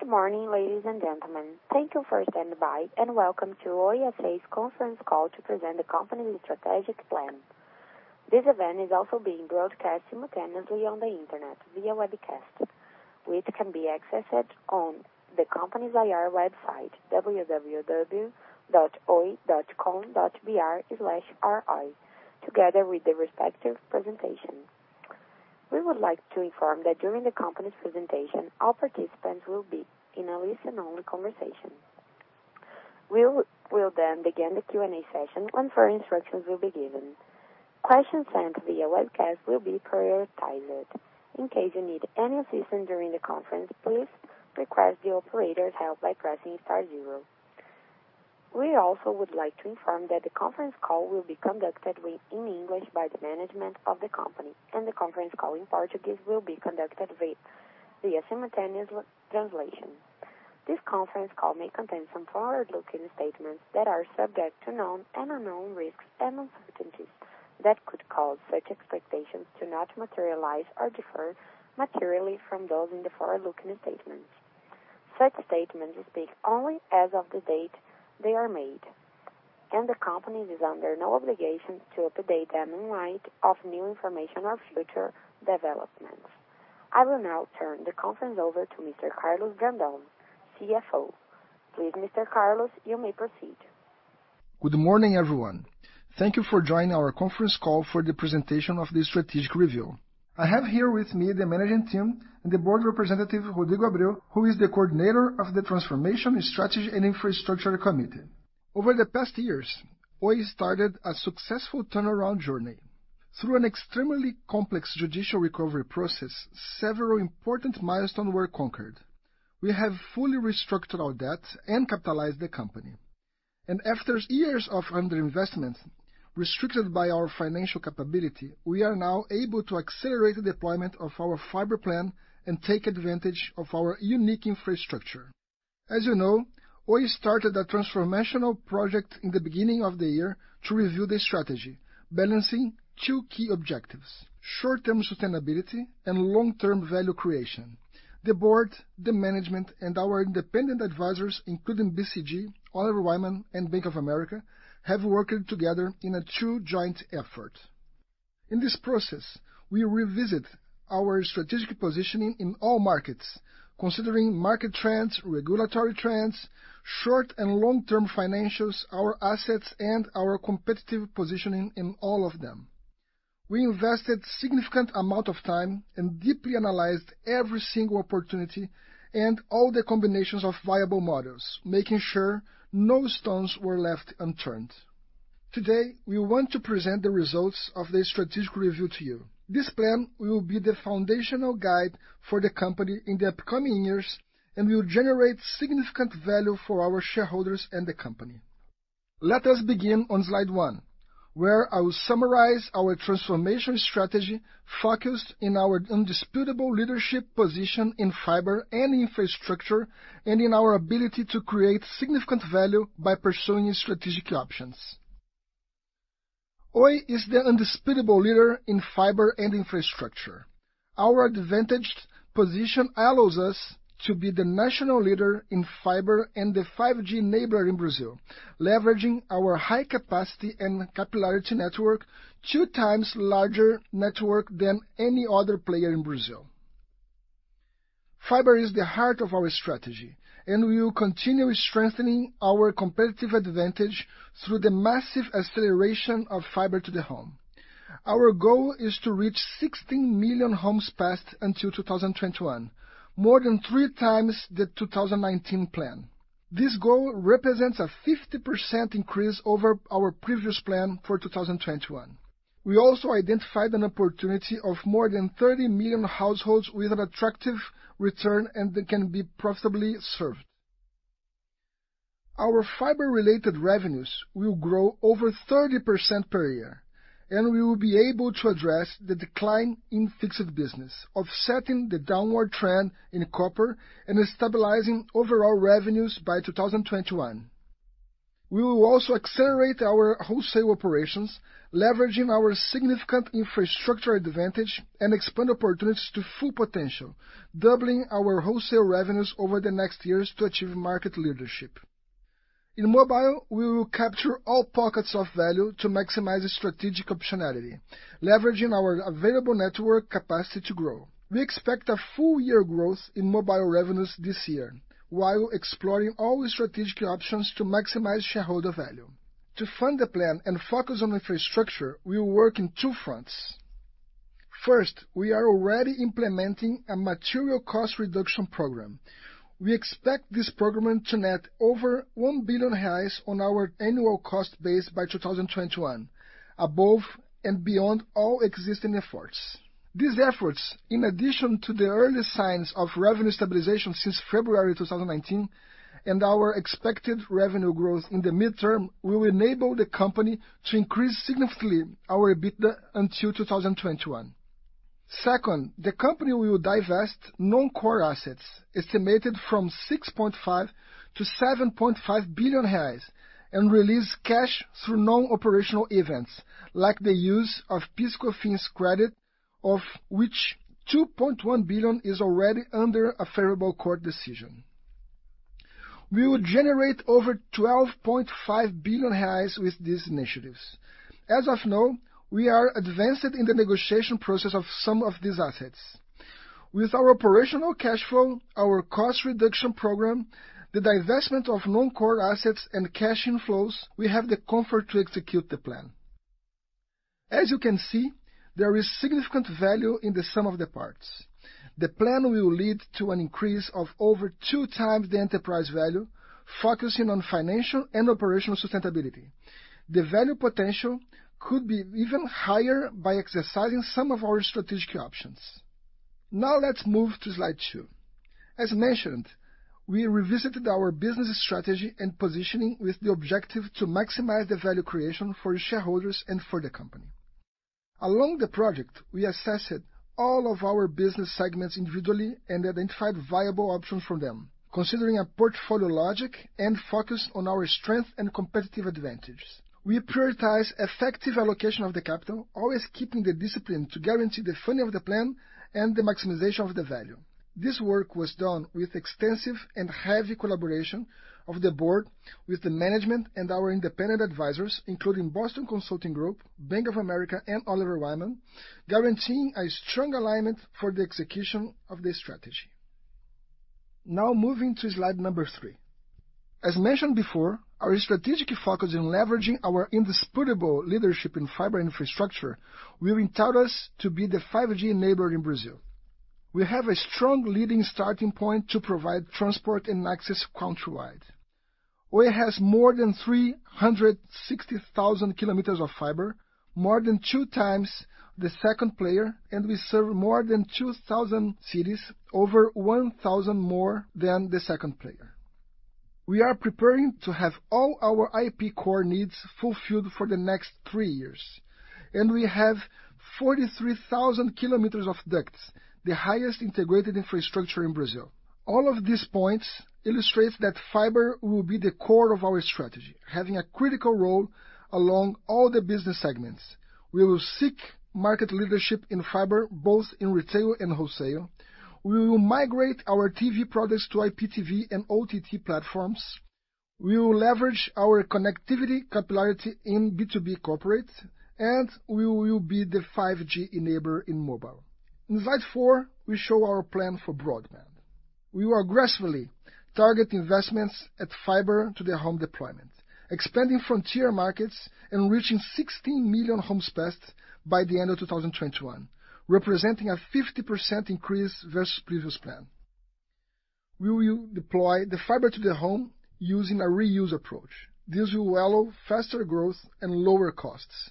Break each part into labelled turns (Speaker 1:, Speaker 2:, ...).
Speaker 1: Good morning, ladies and gentlemen. Thank you for standing by, and welcome to Oi S.A.'s Conference Call to present the Company's Strategic Plan. This event is also being broadcast simultaneously on the internet via webcast, which can be accessed on the company's IR website, www.oi.com.br/ri, together with the respective presentation. We would like to inform that during the company's presentation, all participants will be in a listen-only conversation. We will then begin the Q&A session when further instructions will be given. Questions sent via webcast will be prioritized. In case you need any assistance during the conference, please request the operator's help by pressing star zero. We also would like to inform that the conference call will be conducted in English by the management of the company, and the conference call in Portuguese will be conducted via simultaneous translation. This conference call may contain some forward-looking statements that are subject to known and unknown risks and uncertainties that could cause such expectations to not materialize or differ materially from those in the forward-looking statements. Such statements speak only as of the date they are made, and the company is under no obligation to update them in light of new information or future developments. I will now turn the conference over to Mr. Carlos Brandão, CFO. Please, Mr. Carlos, you may proceed.
Speaker 2: Good morning, everyone. Thank you for joining our conference call for the presentation of the strategic review. I have here with me the management team and the board representative, Rodrigo Abreu, who is the Coordinator of the Transformation, Strategy, and Infrastructure Committee. Over the past years, Oi started a successful turnaround journey. Through an extremely complex judicial recovery process, several important milestones were conquered. We have fully restructured our debt and capitalized the company. After years of underinvestment restricted by our financial capability, we are now able to accelerate the deployment of our fiber plan and take advantage of our unique infrastructure. As you know, Oi started a transformational project in the beginning of the year to review the strategy, balancing two key objectives, short-term sustainability and long-term value creation. The board, the management, and our independent advisors, including BCG, Oliver Wyman, and Bank of America, have worked together in a true joint effort. In this process, we revisit our strategic positioning in all markets, considering market trends, regulatory trends, short- and long-term financials, our assets, and our competitive positioning in all of them. We invested significant amount of time and deeply analyzed every single opportunity and all the combinations of viable models, making sure no stones were left unturned. Today, we want to present the results of the strategic review to you. This plan will be the foundational guide for the company in the upcoming years and will generate significant value for our shareholders and the company. Let us begin on slide one, where I will summarize our transformation strategy focused in our indisputable leadership position in fiber and infrastructure and in our ability to create significant value by pursuing strategic options. Oi is the indisputable leader in fiber and infrastructure. Our advantaged position allows us to be the national leader in fiber and the 5G enabler in Brazil, leveraging our high capacity and capillarity network, two times larger network than any other player in Brazil. Fiber is the heart of our strategy, and we will continue strengthening our competitive advantage through the massive acceleration of fiber to the home. Our goal is to reach 16 million homes passed until 2021, more than 3x the 2019 plan. This goal represents a 50% increase over our previous plan for 2021. We also identified an opportunity of more than 30 million households with an attractive return and that can be profitably served. Our fiber-related revenues will grow over 30% per year, and we will be able to address the decline in fixed business, offsetting the downward trend in copper and stabilizing overall revenues by 2021. We will also accelerate our wholesale operations, leveraging our significant infrastructure advantage and expand opportunities to full potential, doubling our wholesale revenues over the next years to achieve market leadership. In mobile, we will capture all pockets of value to maximize strategic optionality, leveraging our available network capacity to grow. We expect a full-year growth in mobile revenues this year while exploring all strategic options to maximize shareholder value. To fund the plan and focus on infrastructure, we will work in two fronts. First, we are already implementing a material cost reduction program. We expect this program to net over 1 billion reais on our annual cost base by 2021, above and beyond all existing efforts. These efforts, in addition to the early signs of revenue stabilization since February 2019 and our expected revenue growth in the mid-term, will enable the company to increase significantly our EBITDA until 2021. Second, the company will divest non-core assets estimated from 6.5 billion-7.5 billion reais and release cash through non-operational events like the use of PIS/COFINS credit. Of which 2.1 billion is already under a favorable court decision. We will generate over 12.5 billion reais with these initiatives. As of now, we are advanced in the negotiation process of some of these assets. With our operational cash flow, our cost reduction program, the divestment of non-core assets, and cash inflows, we have the comfort to execute the plan. As you can see, there is significant value in the sum of the parts. The plan will lead to an increase of over 2x the enterprise value, focusing on financial and operational sustainability. The value potential could be even higher by exercising some of our strategic options. Now let's move to slide two. As mentioned, we revisited our business strategy and positioning with the objective to maximize the value creation for shareholders and for the company. Along the project, we assessed all of our business segments individually and identified viable options for them, considering a portfolio logic and focus on our strength and competitive advantages. We prioritize effective allocation of the capital, always keeping the discipline to guarantee the funding of the plan and the maximization of the value. This work was done with extensive and heavy collaboration of the board with the management and our independent advisors, including Boston Consulting Group, Bank of America, and Oliver Wyman, guaranteeing a strong alignment for the execution of the strategy. Moving to slide number three. As mentioned before, our strategic focus in leveraging our indisputable leadership in fiber infrastructure will entitle us to be the 5G enabler in Brazil. We have a strong leading starting point to provide transport and access countrywide. Oi has more than 360,000 km of fiber, more than two times the second player, and we serve more than 2,000 cities, over 1,000 more than the second player. We are preparing to have all our IP core needs fulfilled for the next three years, and we have 43,000 km of ducts, the highest integrated infrastructure in Brazil. All of these points illustrate that fiber will be the core of our strategy, having a critical role along all the business segments. We will seek market leadership in fiber, both in retail and wholesale. We will migrate our TV products to IPTV and OTT platforms. We will leverage our connectivity capillarity in B2B corporate, and we will be the 5G enabler in mobile. In slide four, we show our plan for broadband. We will aggressively target investments at fiber to the home deployment, expanding frontier markets and reaching 16 million homes passed by the end of 2021, representing a 50% increase versus previous plan. We will deploy the fiber to the home using a reuse approach. This will allow faster growth and lower costs.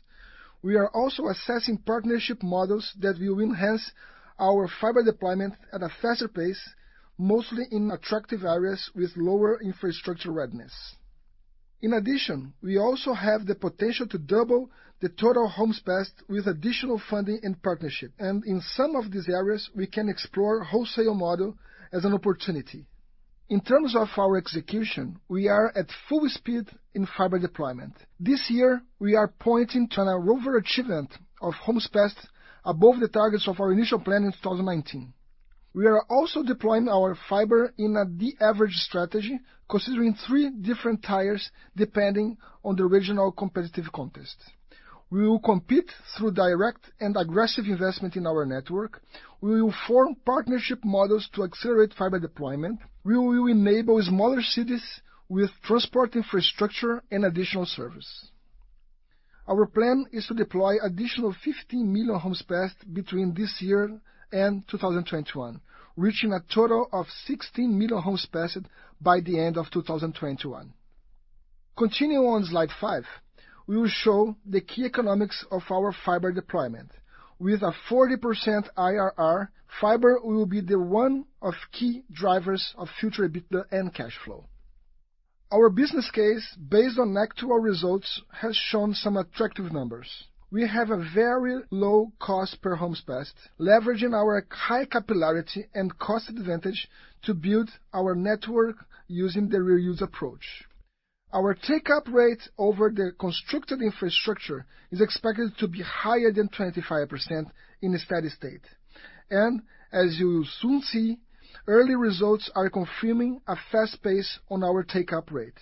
Speaker 2: We are also assessing partnership models that will enhance our fiber deployment at a faster pace, mostly in attractive areas with lower infrastructure readiness. In addition, we also have the potential to double the total homes passed with additional funding and partnership. In some of these areas, we can explore wholesale model as an opportunity. In terms of our execution, we are at full speed in fiber deployment. This year, we are pointing to an overachievement of homes passed above the targets of our initial plan in 2019. We are also deploying our fiber in a de-average strategy, considering three different tiers depending on the regional competitive context. We will compete through direct and aggressive investment in our network. We will form partnership models to accelerate fiber deployment. We will enable smaller cities with transport infrastructure and additional service. Our plan is to deploy additional 15 million homes passed between this year and 2021, reaching a total of 16 million homes passed by the end of 2021. Continuing on slide five, we will show the key economics of our fiber deployment. With a 40% IRR, fiber will be the one of key drivers of future EBITDA and cash flow. Our business case, based on actual results, has shown some attractive numbers. We have a very low cost per homes passed, leveraging our high capillarity and cost advantage to build our network using the reuse approach. Our take-up rate over the constructed infrastructure is expected to be higher than 25% in a steady state. As you will soon see, early results are confirming a fast pace on our take-up rate.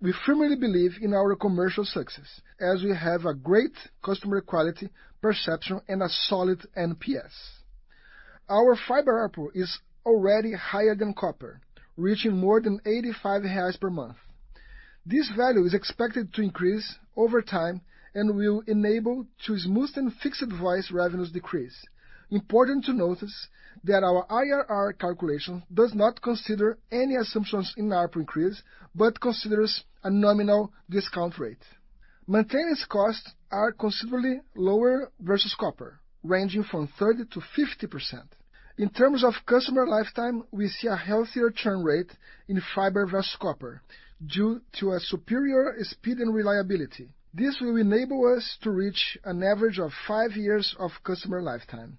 Speaker 2: We firmly believe in our commercial success, as we have a great customer quality, perception, and a solid NPS. Our fiber ARPU is already higher than copper, reaching more than 85 reais per month. This value is expected to increase over time and will enable to smooth and fixed voice revenues decrease. Important to notice that our IRR calculation does not consider any assumptions in ARPU increase, but considers a nominal discount rate. Maintenance costs are considerably lower versus copper, ranging from 30%-50%. In terms of customer lifetime, we see a healthier churn rate in fiber versus copper due to a superior speed and reliability. This will enable us to reach an average of five years of customer lifetime.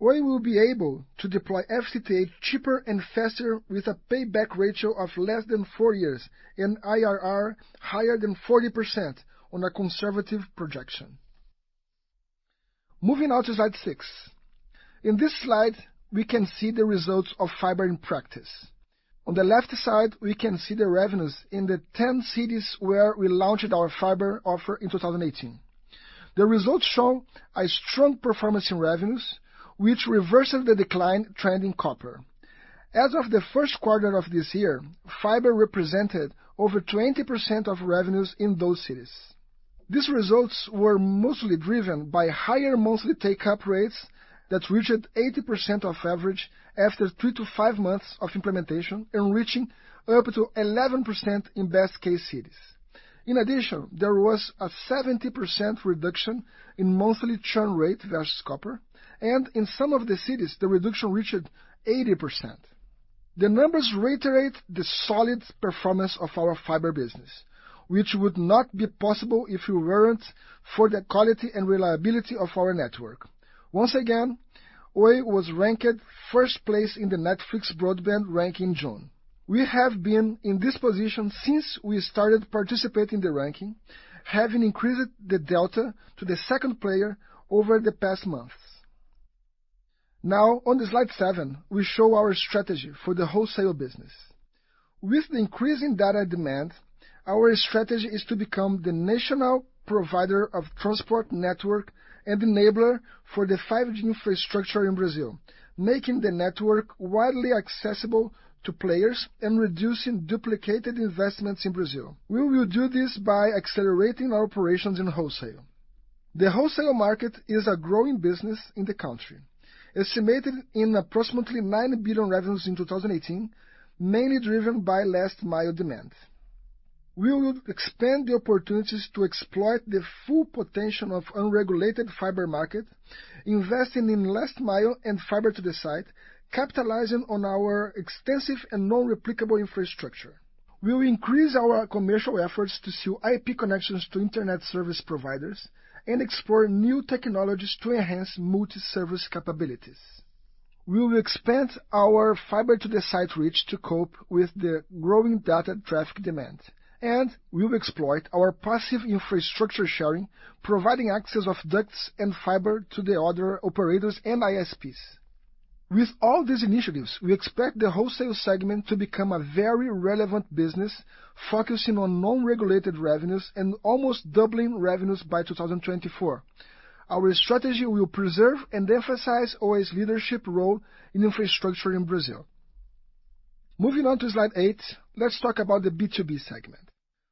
Speaker 2: We will be able to deploy FTTH cheaper and faster with a payback ratio of less than four years and IRR higher than 40% on a conservative projection. Moving on to slide six. In this slide, we can see the results of fiber in practice. On the left side, we can see the revenues in the 10 cities where we launched our fiber offer in 2018. The results show a strong performance in revenues, which reverses the decline trend in copper. As of the first quarter of this year, fiber represented over 20% of revenues in those cities. These results were mostly driven by higher monthly take-up rates that reached 80% of average after three to five months of implementation and reaching up to 11% in best case cities. In addition, there was a 70% reduction in monthly churn rate versus copper, and in some of the cities, the reduction reached 80%. The numbers reiterate the solid performance of our fiber business, which would not be possible if it weren't for the quality and reliability of our network. Once again, Oi was ranked first place in the Netflix broadband rank in June. We have been in this position since we started participating in the ranking, having increased the delta to the second player over the past months. Now on slide seven, we show our strategy for the wholesale business. With the increase in data demand, our strategy is to become the national provider of transport network and enabler for the 5G infrastructure in Brazil, making the network widely accessible to players and reducing duplicated investments in Brazil. We will do this by accelerating our operations in wholesale. The wholesale market is a growing business in the country, estimated in approximately 9 billion revenues in 2018, mainly driven by last-mile demand. We will expand the opportunities to exploit the full potential of unregulated fiber market, investing in last mile and fiber to the site, capitalizing on our extensive and non-replicable infrastructure. We will increase our commercial efforts to sell IP connections to internet service providers and explore new technologies to enhance multi-service capabilities. We will expand our fiber to the site reach to cope with the growing data traffic demand, and we will exploit our passive infrastructure sharing, providing access of ducts and fiber to the other operators and ISPs. With all these initiatives, we expect the wholesale segment to become a very relevant business focusing on non-regulated revenues and almost doubling revenues by 2024. Our strategy will preserve and emphasize Oi's leadership role in infrastructure in Brazil. Moving on to slide eight, let's talk about the B2B segment.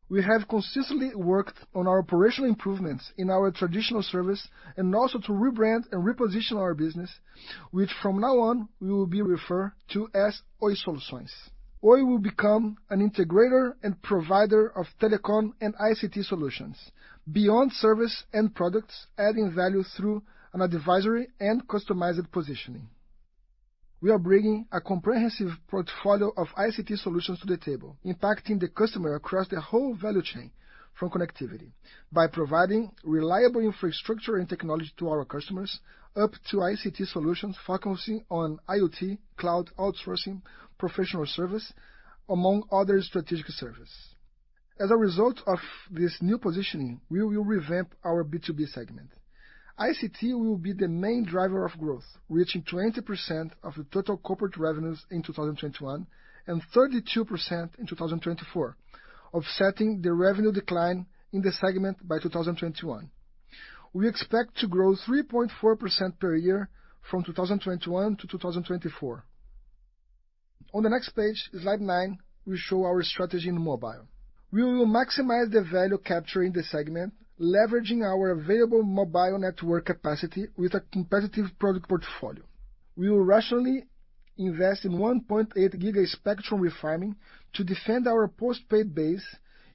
Speaker 2: We have consistently worked on our operational improvements in our traditional service and also to rebrand and reposition our business, which from now on will be referred to as Oi Soluções. Oi will become an integrator and provider of telecom and ICT solutions. Beyond service and products, adding value through an advisory and customized positioning. We are bringing a comprehensive portfolio of ICT solutions to the table, impacting the customer across the whole value chain from connectivity by providing reliable infrastructure and technology to our customers up to ICT solutions, focusing on IoT, cloud outsourcing, professional service, among other strategic services. As a result of this new positioning, we will revamp our B2B segment. ICT will be the main driver of growth, reaching 20% of the total corporate revenues in 2021 and 32% in 2024, offsetting the revenue decline in the segment by 2021. We expect to grow 3.4% per year from 2021 to 2024. On the next page, slide nine, we show our strategy in mobile. We will maximize the value capture in the segment, leveraging our available mobile network capacity with a competitive product portfolio. We will rationally invest in 1.8 GHz spectrum refining to defend our postpaid base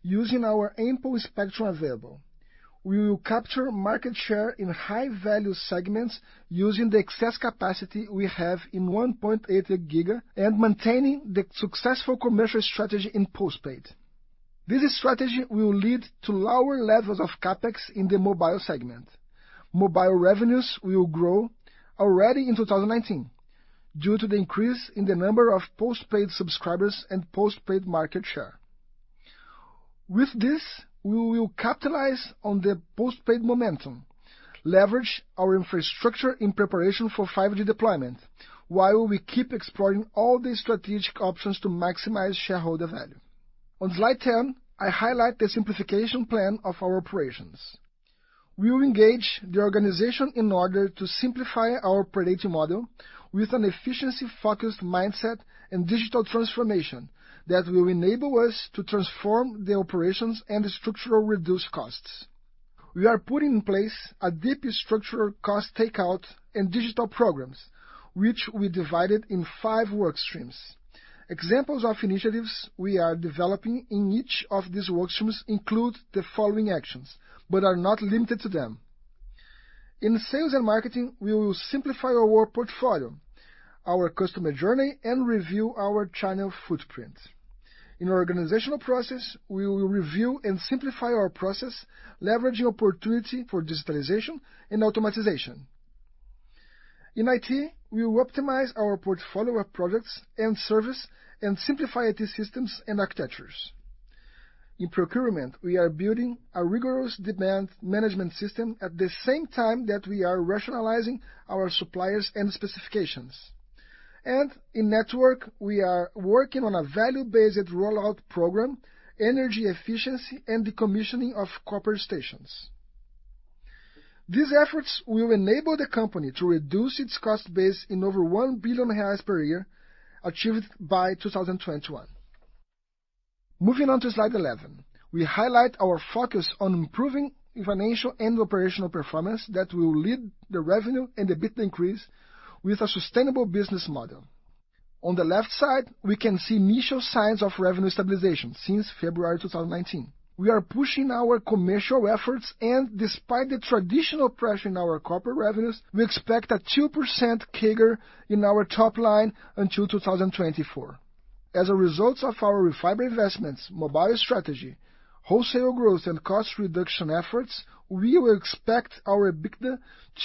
Speaker 2: using our ample spectrum available. We will capture market share in high-value segments using the excess capacity we have in 1.8 GHz and maintaining the successful commercial strategy in postpaid. This strategy will lead to lower levels of CapEx in the mobile segment. Mobile revenues will grow already in 2019 due to the increase in the number of postpaid subscribers and postpaid market share. With this, we will capitalize on the postpaid momentum, leverage our infrastructure in preparation for 5G deployment, while we keep exploring all the strategic options to maximize shareholder value. On slide 10, I highlight the simplification plan of our operations. We will engage the organization in order to simplify our operating model with an efficiency-focused mindset and digital transformation that will enable us to transform the operations and structurally reduce costs. We are putting in place a deep structural cost takeout and digital programs, which we divided in five work streams. Examples of initiatives we are developing in each of these work streams include the following actions, but are not limited to them. In sales and marketing, we will simplify our portfolio, our customer journey, and review our channel footprint. In our organizational process, we will review and simplify our process, leveraging opportunity for digitalization and automatization. In IT, we will optimize our portfolio of products and service and simplify IT systems and architectures. In procurement, we are building a rigorous demand management system at the same time that we are rationalizing our suppliers and specifications. In network, we are working on a value-based rollout program, energy efficiency, and the commissioning of copper stations. These efforts will enable the company to reduce its cost base in over 1 billion reais per year, achieved by 2021. Moving on to slide 11. We highlight our focus on improving financial and operational performance that will lead the revenue and EBITDA increase with a sustainable business model. On the left side, we can see initial signs of revenue stabilization since February 2019. We are pushing our commercial efforts, and despite the traditional pressure in our corporate revenues, we expect a 2% CAGR in our top line until 2024. As a result of our fiber investments, mobile strategy, wholesale growth, and cost reduction efforts, we will expect our EBITDA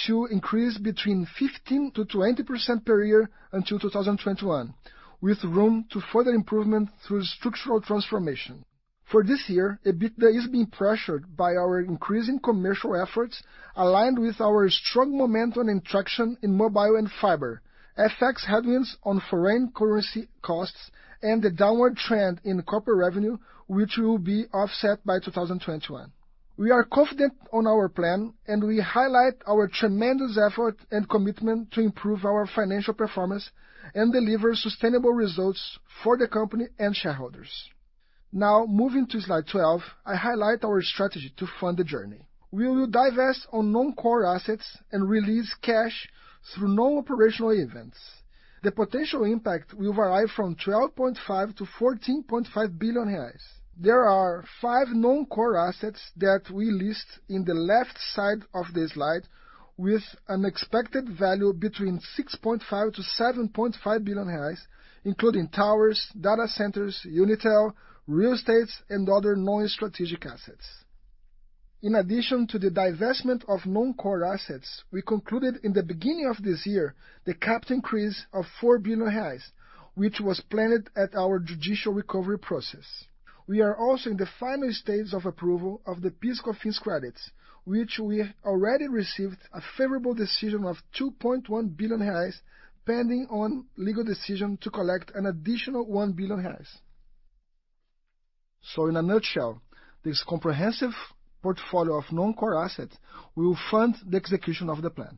Speaker 2: to increase between 15%-20% per year until 2021, with room to further improvement through structural transformation. For this year, EBITDA is being pressured by our increasing commercial efforts, aligned with our strong momentum and traction in mobile and fiber, effects headwinds on foreign currency costs, and the downward trend in corporate revenue, which will be offset by 2021. We are confident on our plan, and we highlight our tremendous effort and commitment to improve our financial performance and deliver sustainable results for the company and shareholders. Now, moving to slide 12, I highlight our strategy to fund the journey. We will divest on non-core assets and release cash through non-operational events. The potential impact will vary from 12.5 billion-14.5 billion reais. There are five non-core assets that we list in the left side of the slide, with an expected value between 6.5 billion-7.5 billion reais, including towers, data centers, Unitel, real estates, and other non-strategic assets. In addition to the divestment of non-core assets, we concluded in the beginning of this year the cap increase of 4 billion reais, which was planned at our judicial recovery process. We are also in the final stages of approval of the PIS/COFINS credits, which we already received a favorable decision of 2.1 billion reais pending on legal decision to collect an additional 1 billion reais. In a nutshell, this comprehensive portfolio of non-core assets will fund the execution of the plan.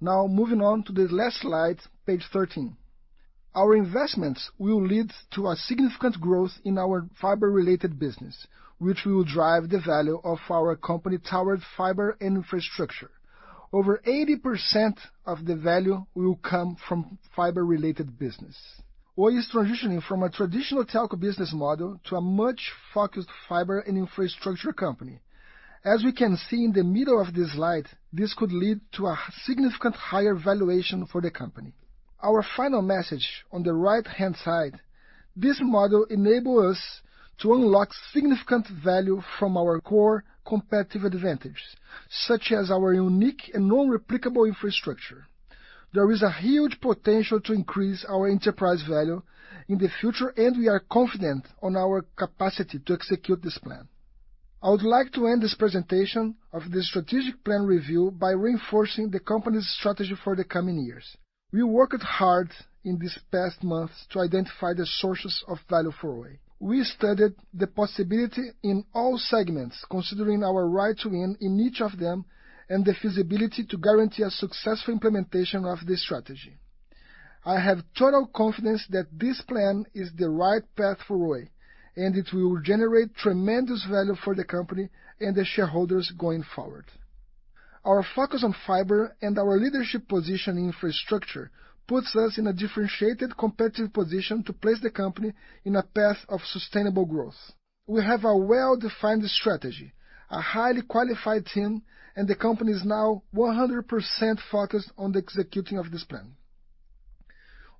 Speaker 2: Now moving on to the last slide, page 13. Our investments will lead to a significant growth in our fiber-related business, which will drive the value of our company toward fiber and infrastructure. Over 80% of the value will come from fiber-related business. Oi is transitioning from a traditional telco business model to a much-focused fiber and infrastructure company. As we can see in the middle of this slide, this could lead to a significantly higher valuation for the company. Our final message on the right-hand side. This model enable us to unlock significant value from our core competitive advantage, such as our unique and non-replicable infrastructure. There is a huge potential to increase our enterprise value in the future, and we are confident on our capacity to execute this plan. I would like to end this presentation of the strategic plan review by reinforcing the company's strategy for the coming years. We worked hard in these past months to identify the sources of value for Oi. We studied the possibility in all segments, considering our right to win in each of them, and the feasibility to guarantee a successful implementation of this strategy. I have total confidence that this plan is the right path for Oi, and it will generate tremendous value for the company and the shareholders going forward. Our focus on fiber and our leadership position in infrastructure puts us in a differentiated competitive position to place the company in a path of sustainable growth. We have a well-defined strategy, a highly qualified team, and the company is now 100% focused on the executing of this plan.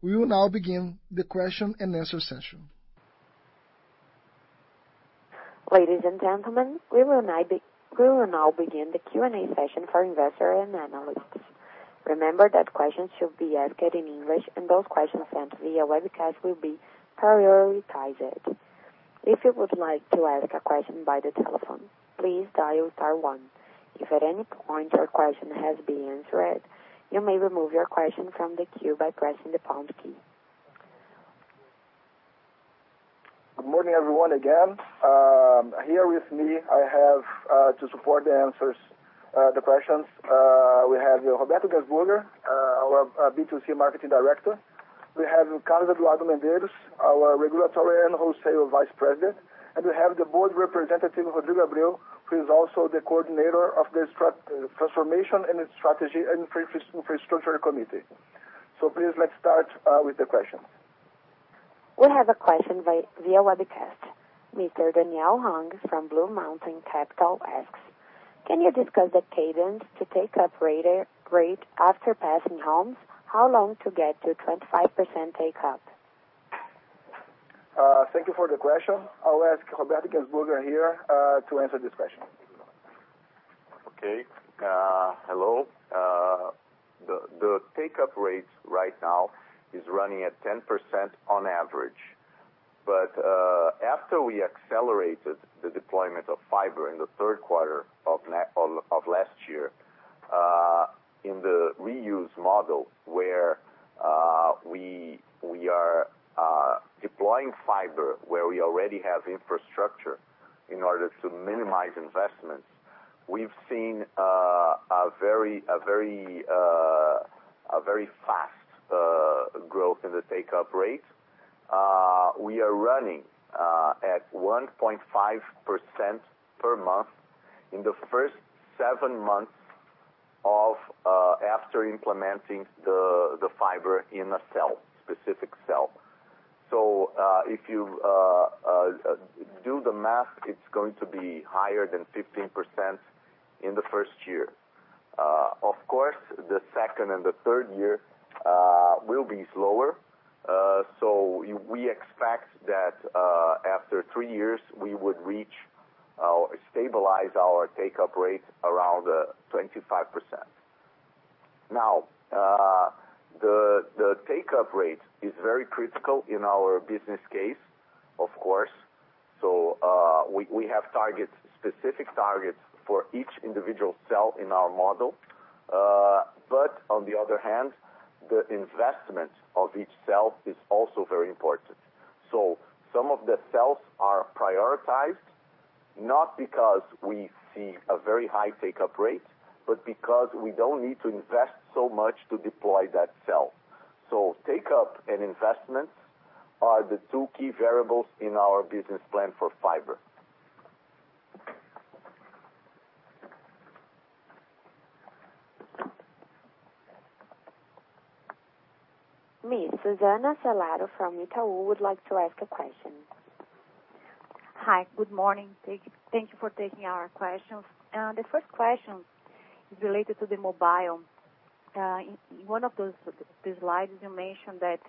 Speaker 2: We will now begin the question-and-answer session.
Speaker 1: Ladies and gentlemen, we will now begin the Q&A session for investors and analysts. Remember that questions should be asked in English, and those questions sent via webcast will be prioritized. If you would like to ask a question by the telephone, please dial star one. If at any point your question has been answered, you may remove your question from the queue by pressing the pound key.
Speaker 2: Good morning, everyone, again. Here with me, I have to support the answers, the questions, we have Roberto Guenzburger, our B2C marketing director. We have Carlos Eduardo Medeiros, our regulatory and wholesale vice president, and we have the board representative, Rodrigo Abreu, who is also the coordinator of the transformation and strategy and infrastructure committee. Please, let's start with the questions.
Speaker 1: We have a question via webcast. Mr. Daniel Hong from BlueMountain Capital Management asks, "Can you discuss the cadence to take up rate after passing homes? How long to get to 25% take up?
Speaker 2: Thank you for the question. I will ask Roberto Guenzburger here to answer this question.
Speaker 3: Okay. Hello. The take-up rate right now is running at 10% on average. After we accelerated the deployment of fiber in the third quarter of last year, in the reuse model where we are deploying fiber, where we already have infrastructure in order to minimize investments, we've seen a very fast growth in the take-up rate. We are running at 1.5% per month in the first seven months after implementing the fiber in a specific cell. If you do the math, it's going to be higher than 15% in the first year. Of course, the second and the third year will be slower. We expect that after three years, we would stabilize our take-up rate around 25%. Now, the take-up rate is very critical in our business case, of course. We have specific targets for each individual cell in our model. On the other hand, the investment of each cell is also very important. Some of the cells are prioritized not because we see a very high take-up rate, but because we don't need to invest so much to deploy that cell. Take-up and investments are the two key variables in our business plan for fiber.
Speaker 1: Miss Susana Salaru from Itaú would like to ask a question.
Speaker 4: Hi. Good morning. Thank you for taking our questions. The first question is related to the mobile. In one of the slides, you mentioned that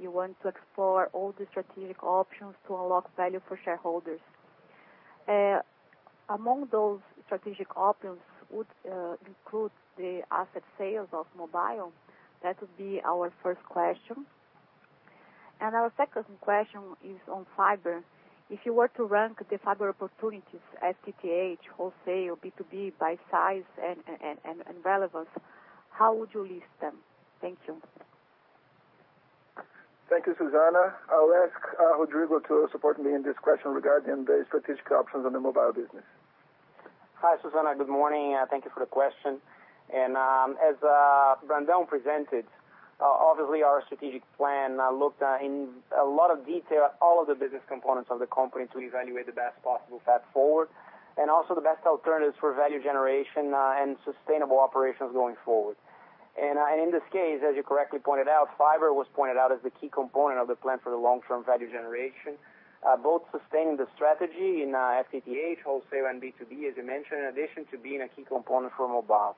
Speaker 4: you want to explore all the strategic options to unlock value for shareholders. Among those strategic options would include the asset sales of mobile. That would be our first question. Our second question is on fiber. If you were to rank the fiber opportunities, FTTH, wholesale, B2B by size and relevance, how would you list them? Thank you.
Speaker 2: Thank you, Susana. I'll ask Rodrigo to support me in this question regarding the strategic options on the mobile business.
Speaker 5: Hi, Susana. Good morning. Thank you for the question. As Brandão presented, obviously our strategic plan looked in a lot of detail at all of the business components of the company to evaluate the best possible path forward, and also the best alternatives for value generation and sustainable operations going forward. In this case, as you correctly pointed out, fiber was pointed out as the key component of the plan for the long-term value generation, both sustaining the strategy in FTTH, wholesale, and B2B, as you mentioned, in addition to being a key component for mobile.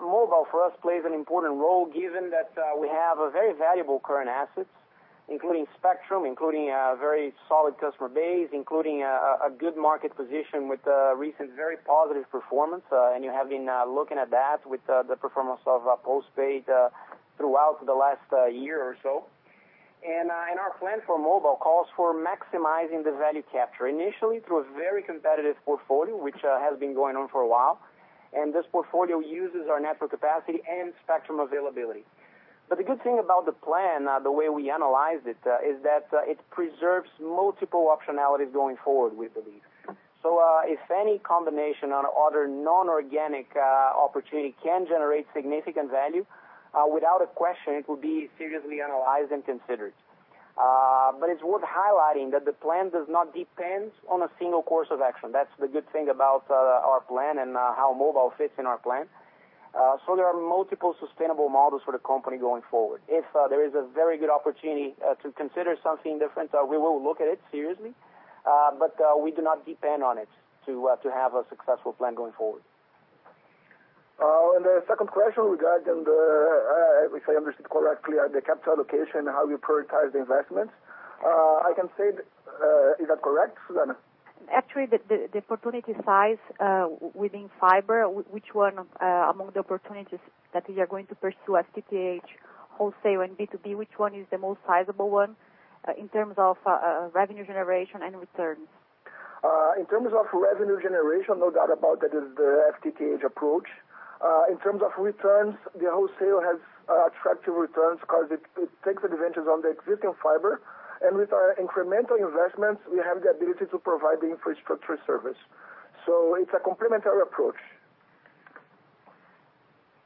Speaker 5: Mobile for us plays an important role given that we have very valuable current assets, including spectrum, including a very solid customer base, including a good market position with recent very positive performance. You have been looking at that with the performance of postpaid throughout the last year or so. Our plan for mobile calls for maximizing the value capture initially through a very competitive portfolio, which has been going on for a while. This portfolio uses our network capacity and spectrum availability. The good thing about the plan, the way we analyze it, is that it preserves multiple optionalities going forward, we believe. If any combination on other non-organic opportunity can generate significant value, without a question, it will be seriously analyzed and considered. It's worth highlighting that the plan does not depend on a single course of action. That's the good thing about our plan and how mobile fits in our plan. There are multiple sustainable models for the company going forward. If there is a very good opportunity to consider something different, we will look at it seriously. We do not depend on it to have a successful plan going forward.
Speaker 2: The second question regarding the, if I understood correctly, the capital allocation, how you prioritize the investments. Is that correct, Susana?
Speaker 4: Actually, the opportunity size within fiber, which one among the opportunities that you are going to pursue, FTTH, wholesale, and B2B, which one is the most sizable one in terms of revenue generation and return?
Speaker 2: In terms of revenue generation, no doubt about that it is the FTTH approach. In terms of returns, the wholesale has attractive returns because it takes advantage of the existing fiber. With our incremental investments, we have the ability to provide the infrastructure service. It's a complementary approach.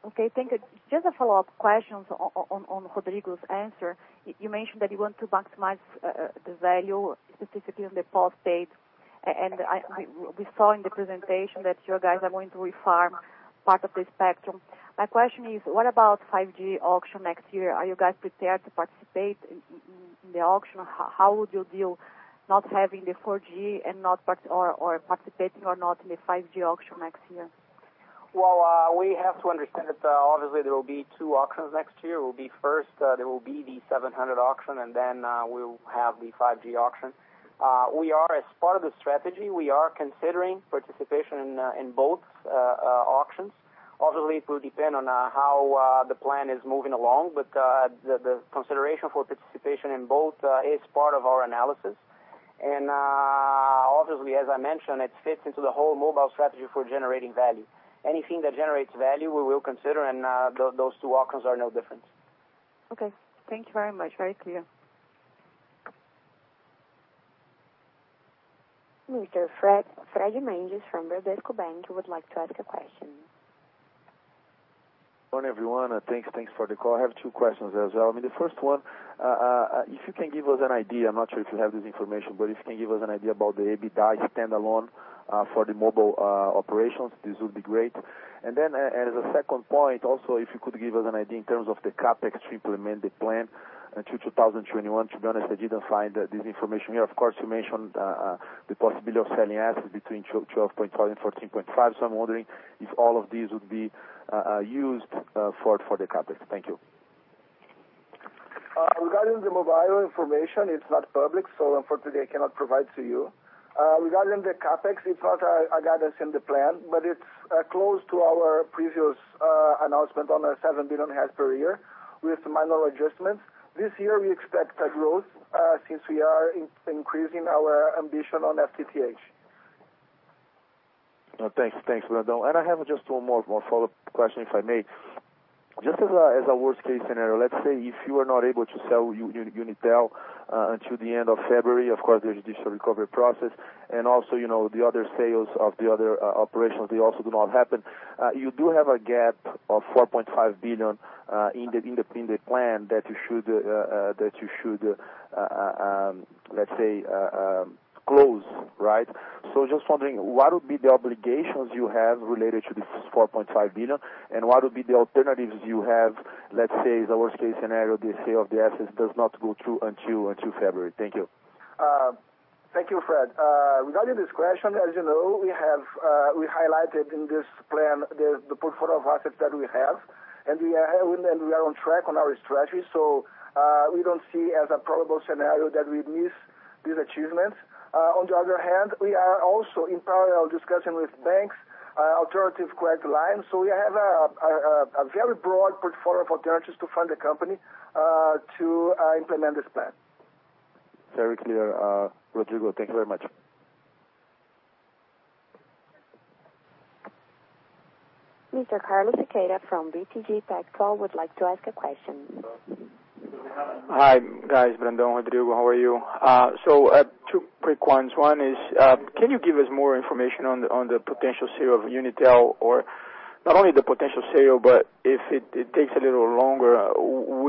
Speaker 4: Okay, thank you. Just a follow-up question on Rodrigo's answer. You mentioned that you want to maximize the value, specifically on the postpaid, we saw in the presentation that you guys are going to reform part of the spectrum. My question is: what about 5G auction next year? Are you guys prepared to participate in the auction? How would you deal not having the 4G or participating or not in the 5G auction next year?
Speaker 5: Well, we have to understand that obviously there will be two auctions next year. First, there will be the 700 auction. Then we'll have the 5G auction. As part of the strategy, we are considering participation in both auctions. Obviously, it will depend on how the plan is moving along. The consideration for participation in both is part of our analysis. Obviously, as I mentioned, it fits into the whole mobile strategy for generating value. Anything that generates value, we will consider, and those two auctions are no different.
Speaker 4: Okay. Thank you very much. Very clear.
Speaker 1: Mr. Fred Mendes from Bradesco BBI would like to ask a question.
Speaker 6: Good morning, everyone. Thanks for the call. I have two questions as well. The first one, if you can give us an idea, I'm not sure if you have this information, but if you can give us an idea about the EBITDA standalone for the mobile operations, this would be great. Then as a second point, also, if you could give us an idea in terms of the CapEx to implement the plan to 2021. To be honest, I didn't find this information here. Of course, you mentioned the possibility of selling assets between 12.5 and 14.5, I'm wondering if all of these would be used for the CapEx. Thank you.
Speaker 2: Regarding the mobile information, it's not public, so unfortunately, I cannot provide to you. Regarding the CapEx, it's not a guidance in the plan. It's close to our previous announcement on 7 billion per year with minor adjustments. This year, we expect a growth since we are increasing our ambition on FTTH.
Speaker 6: Thanks, Brandão. I have just one more follow-up question, if I may. Just as a worst-case scenario, let's say if you are not able to sell Unitel until the end of February, of course, there's this recovery process, and also the other sales of the other operations, they also do not happen. You do have a gap of 4.5 billion in the plan that you should, let's say, close, right? Just wondering, what would be the obligations you have related to this 4.5 billion, and what would be the alternatives you have, let's say, the worst-case scenario, the sale of the assets does not go through until February? Thank you.
Speaker 5: Thank you, Fred. Regarding this question, as you know, we highlighted in this plan the portfolio of assets that we have, and we are on track on our strategy, so we don't see as a probable scenario that we miss this achievement. On the other hand, we are also in parallel discussion with banks, alternative credit lines. We have a very broad portfolio of alternatives to fund the company to implement this plan.
Speaker 6: Very clear, Rodrigo. Thank you very much.
Speaker 1: Mr. Carlos Sequeira from BTG Pactual would like to ask a question.
Speaker 7: Hi, guys. Brandão, Rodrigo, how are you? Two quick ones. One is, can you give us more information on the potential sale of Unitel? Not only the potential sale, but if it takes a little longer,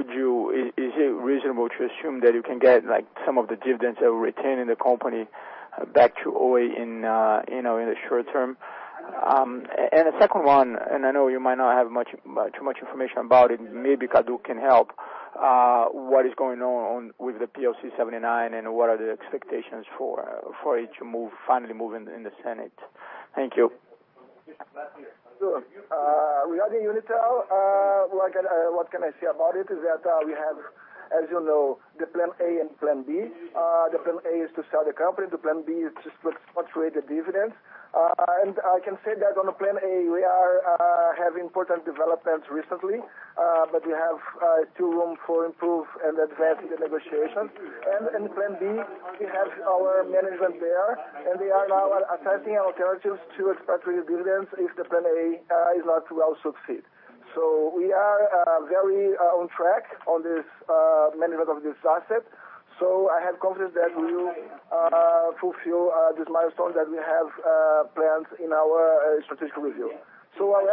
Speaker 7: is it reasonable to assume that you can get some of the dividends or retain in the company back to Oi in the short term? A second one, I know you might not have much information about it. Maybe Cadu can help. What is going on with the PLC 79, what are the expectations for it to finally move in the Senate? Thank you.
Speaker 2: Regarding Unitel, what can I say about it is that we have, as you know, the plan A and plan B. The plan A is to sell the company. The plan B is just to orchestrate a dividend. I can say that on plan A, we are having important developments recently, but we have still room for improve and advance the negotiation. Plan B, we have our management there, they are now assessing alternatives to orchestrate dividends if plan A is not well succeed. We are very on track on this management of this asset. I'll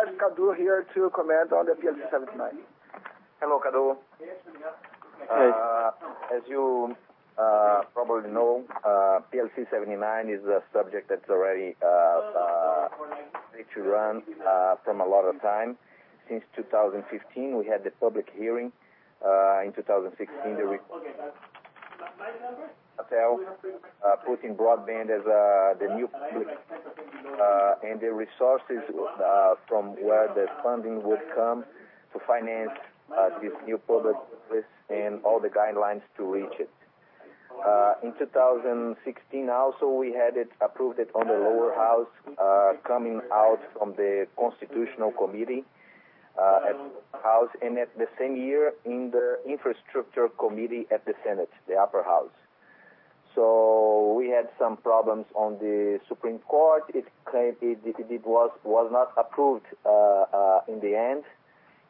Speaker 2: ask Cadu here to comment on the PLC 79.
Speaker 7: Hello, Cadu.
Speaker 2: Hey.
Speaker 8: As you probably know, PLC 79 is a subject that's already ready to run from a lot of time. Since 2015, we had the public hearing. In 2016, Anatel put in broadband as and the resources from where the funding would come to finance this new public policy and all the guidelines to reach it. In 2016 also, we had it approved on the lower house, coming out from the constitutional committee at house, and at the same year in the infrastructure committee at the Senate, the upper house. We had some problems on the Supreme Court. It was not approved in the end.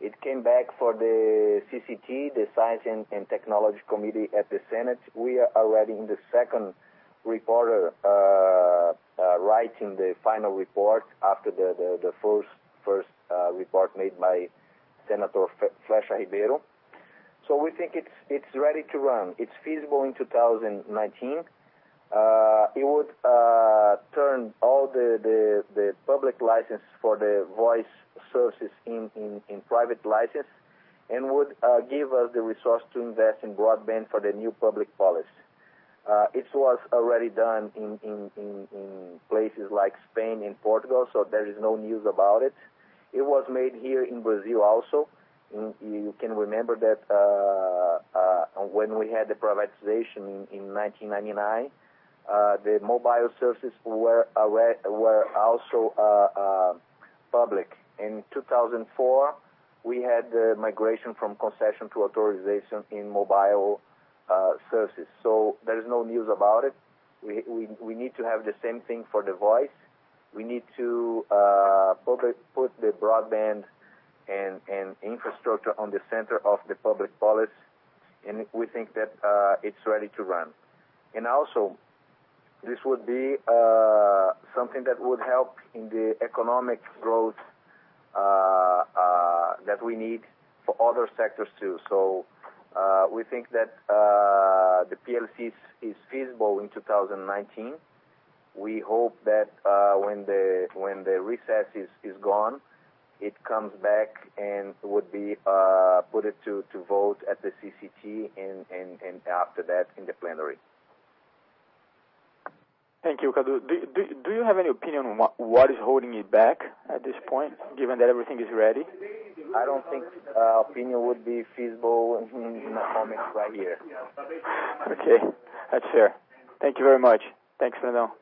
Speaker 8: It came back for the CCT, the Science and Technology Committee at the Senate. We are already in the second reporter, writing the final report after the first report made by Senator Flexa Ribeiro. We think it's ready to run. It's feasible in 2019. It would turn all the public license for the voice services in private license and would give us the resource to invest in broadband for the new public policy. It was already done in places like Spain and Portugal; there is no news about it. It was made here in Brazil also. You can remember that when we had the privatization in 1999, the mobile services were also public. In 2004, we had the migration from concession to authorization in mobile services. There is no news about it. We need to have the same thing for the voice. We need to put the broadband and infrastructure on the center of the public policy, and we think that it's ready to run. And also, this would be something that would help in the economic growth that we need for other sectors, too. We think that the PLC is feasible in 2019. We hope that when the recess is gone, it comes back and would be put to vote at the CCT, and after that, in the plenary.
Speaker 7: Thank you, Cadu. Do you have any opinion on what is holding it back at this point, given that everything is ready?
Speaker 8: I don't think opinion would be feasible in my comments right here.
Speaker 7: Okay. That's fair. Thank you very much. Thanks, Cadu.
Speaker 8: Thank you.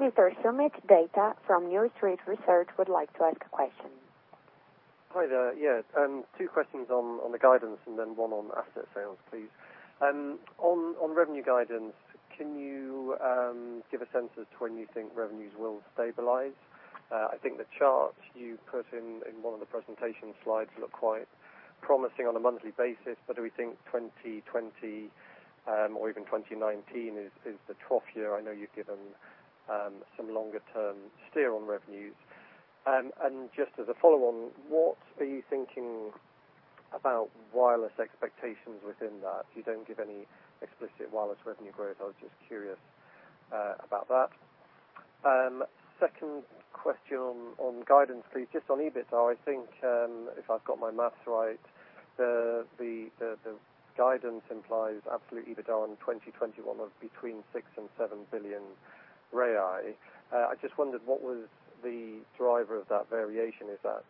Speaker 1: Mr. Soomit Datta from New Street Research would like to ask a question.
Speaker 9: Hi there. Two questions on the guidance, one on asset sales, please. On revenue guidance, can you give a sense as to when you think revenues will stabilize? I think the chart you put in one of the presentation slides look quite promising on a monthly basis, do we think 2020 or even 2019 is the trough year? I know you've given some longer-term steer on revenues. Just as a follow-on, what are you thinking about wireless expectations within that? You don't give any explicit wireless revenue growth. I was just curious about that. Second question on guidance, please. Just on EBITDA, I think, if I've got my math right, the guidance implies absolute EBITDA in 2021 of between 6 billion and 7 billion. I just wondered what was the driver of that variation. Is that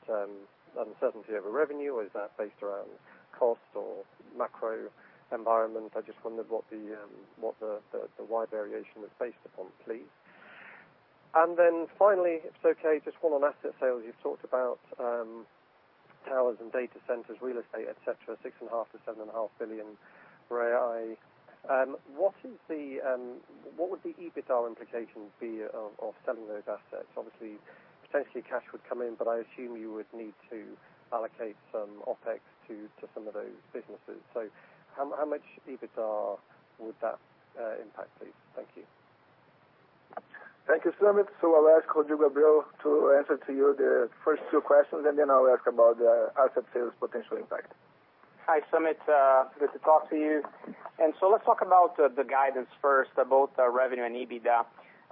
Speaker 9: uncertainty over revenue, or is that based around cost or macro environment? I just wondered what the wide variation was based upon, please. Finally, if it's okay, just 1 on asset sales. You've talked about towers and data centers, real estate, et cetera, 6.5 billion-7.5 billion. What would the EBITDA implications be of selling those assets? Obviously, potentially cash would come in, I assume you would need to allocate some OpEx to some of those businesses. How much EBITDA would that impact, please? Thank you.
Speaker 2: Thank you, Soomit. I'll ask Rodrigo Abreu to answer to you the first two questions, I'll ask about the asset sales potential impact.
Speaker 5: Hi, Soomit. Good to talk to you. Let's talk about the guidance first, both revenue and EBITDA.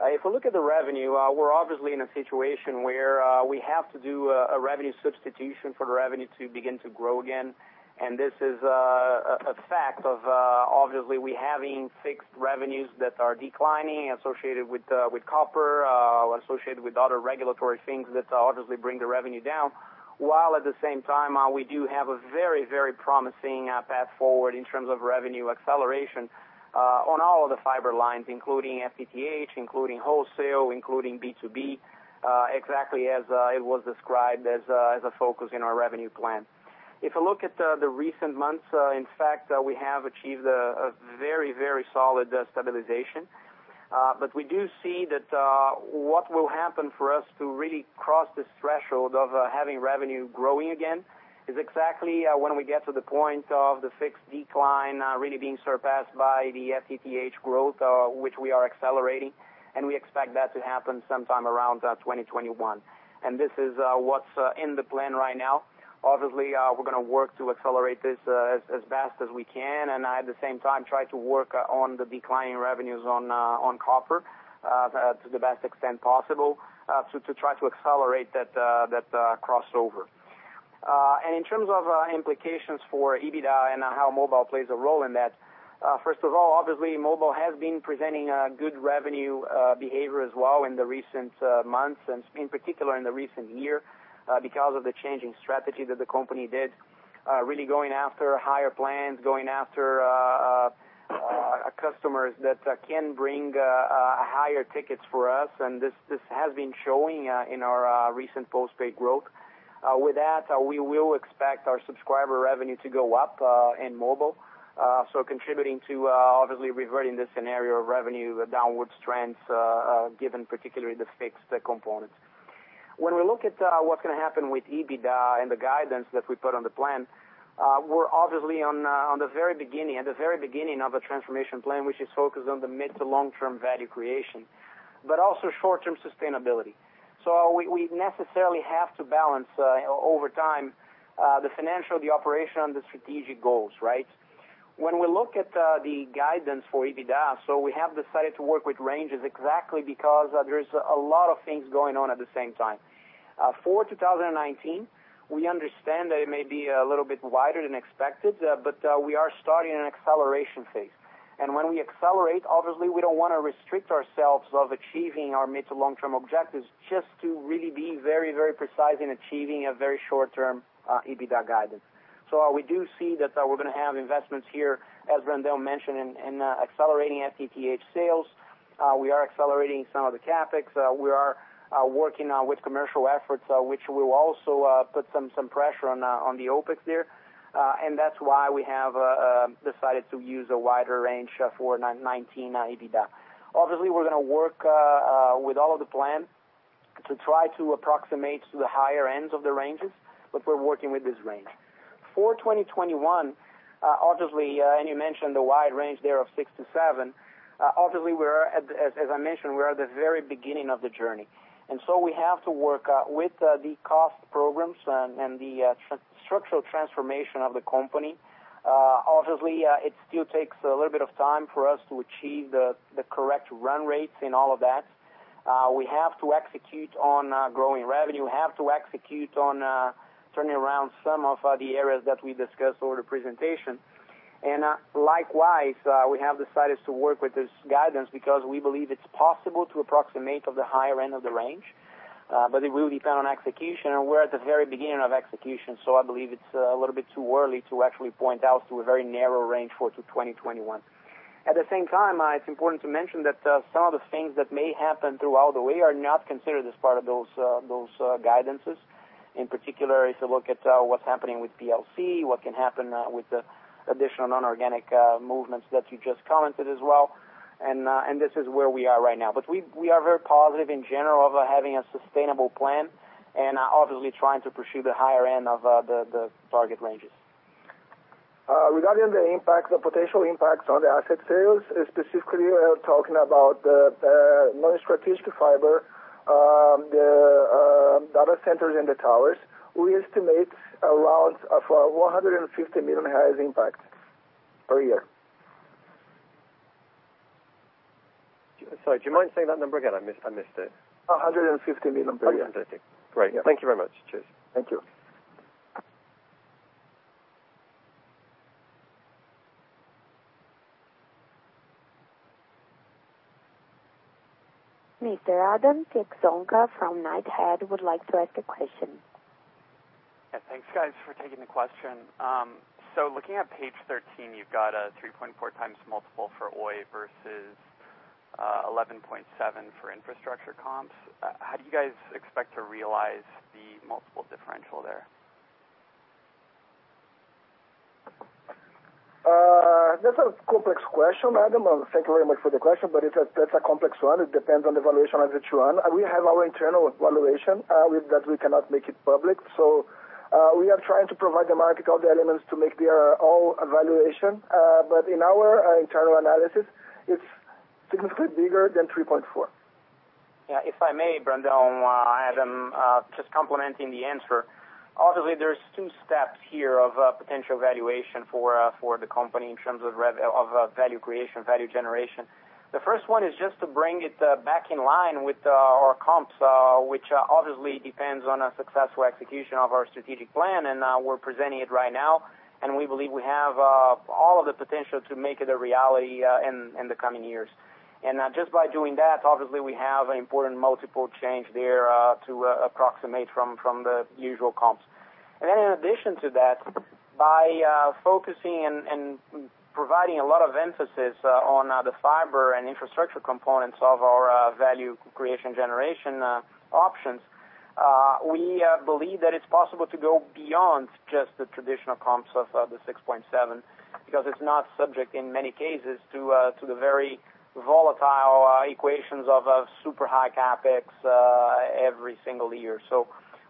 Speaker 5: If we look at the revenue, we're obviously in a situation where we have to do a revenue substitution for the revenue to begin to grow again. This is a fact of obviously we having fixed revenues that are declining associated with copper, associated with other regulatory things that obviously bring the revenue down. While at the same time, we do have a very promising path forward in terms of revenue acceleration on all of the fiber lines, including FTTH, including wholesale, including B2B, exactly as it was described as a focus in our revenue plan. If you look at the recent months, in fact, we have achieved a very solid stabilization. We do see that what will happen for us to really cross this threshold of having revenue growing again is exactly when we get to the point of the fixed decline really being surpassed by the FTTH growth, which we are accelerating, and we expect that to happen sometime around 2021. This is what's in the plan right now. Obviously, we're going to work to accelerate this as best as we can, and at the same time, try to work on the declining revenues on copper to the best extent possible to try to accelerate that crossover. In terms of implications for EBITDA and how mobile plays a role in that, first of all, obviously, mobile has been presenting a good revenue behavior as well in the recent months, and in particular in the recent year, because of the changing strategy that the company did, really going after higher plans, going after customers that can bring higher tickets for us. This has been showing in our recent postpaid growth. With that, we will expect our subscriber revenue to go up in mobile. Contributing to obviously reverting the scenario of revenue downward trends, given particularly the fixed components. We look at what's going to happen with EBITDA and the guidance that we put on the plan, we're obviously on the very beginning of a transformation plan, which is focused on the mid to long-term value creation, but also short-term sustainability. We necessarily have to balance over time, the financial, the operation, and the strategic goals, right? When we look at the guidance for EBITDA, we have decided to work with ranges exactly because there's a lot of things going on at the same time. For 2019, we understand that it may be a little bit wider than expected, but we are starting an acceleration phase. When we accelerate, obviously, we don't want to restrict ourselves of achieving our mid to long-term objectives just to really be very, very precise in achieving a very short-term EBITDA guidance. We do see that we're going to have investments here, as Brandão mentioned, in accelerating FTTH sales. We are accelerating some of the CapEx. We are working with commercial efforts, which will also put some pressure on the OPEX there. That's why we have decided to use a wider range for 2019 EBITDA. Obviously, we're going to work with all of the plan to try to approximate to the higher ends of the ranges, but we're working with this range. For 2021, obviously, you mentioned the wide range there of six to seven. Obviously, as I mentioned, we are at the very beginning of the journey. We have to work with the cost programs and the structural transformation of the company. Obviously, it still takes a little bit of time for us to achieve the correct run rates in all of that. We have to execute on growing revenue. We have to execute on turning around some of the areas that we discussed over the presentation. Likewise, we have decided to work with this guidance because we believe it's possible to approximate of the higher end of the range. It will depend on execution, and we're at the very beginning of execution. I believe it's a little bit too early to actually point out to a very narrow range for 2021. At the same time, it's important to mention that some of the things that may happen throughout the way are not considered as part of those guidance's. In particular, if you look at what's happening with PLC, what can happen with the additional non-organic movements that you just commented as well. This is where we are right now. We are very positive in general of having a sustainable plan and obviously trying to pursue the higher end of the target ranges.
Speaker 2: Regarding the potential impacts on the asset sales, specifically, we are talking about the non-strategic fiber, the data centers, and the towers. We estimate around 150 million impact per year.
Speaker 9: Sorry, do you mind saying that number again? I missed it.
Speaker 2: 150 million per year.
Speaker 9: Fantastic. Great. Thank you very much. Cheers.
Speaker 2: Thank you.
Speaker 1: Mr. Adam Pieczonka from Knighthead would like to ask a question.
Speaker 10: Thanks, guys, for taking the question. Looking at page 13, you've got a 3.4x multiple for Oi versus 11.7 for infrastructure comps. How do you guys expect to realize the multiple differentials there?
Speaker 2: That's a complex question, Adam Pieczonka. Thank you very much for the question, but that's a complex one. It depends on the valuation of each one. We have our internal valuation that we cannot make it public. We are trying to provide the market all the elements to make their own valuation. In our internal analysis, it's significantly bigger than 3.4.
Speaker 5: Yeah. If I may, Brandão, Adam, just complementing the answer. There's two steps here of potential valuation for the company in terms of value creation, value generation. The first one is just to bring it back in line with our comps, which obviously depends on a successful execution of our strategic plan. We're presenting it right now, and we believe we have all of the potential to make it a reality in the coming years. Just by doing that, obviously, we have an important multiple change there to approximate from the usual comps. In addition to that, by focusing and providing a lot of emphasis on the fiber and infrastructure components of our value creation generation options, we believe that it's possible to go beyond just the traditional comps of the 6.7, because it's not subject in many cases to the very volatile equations of super high CapEx every single year.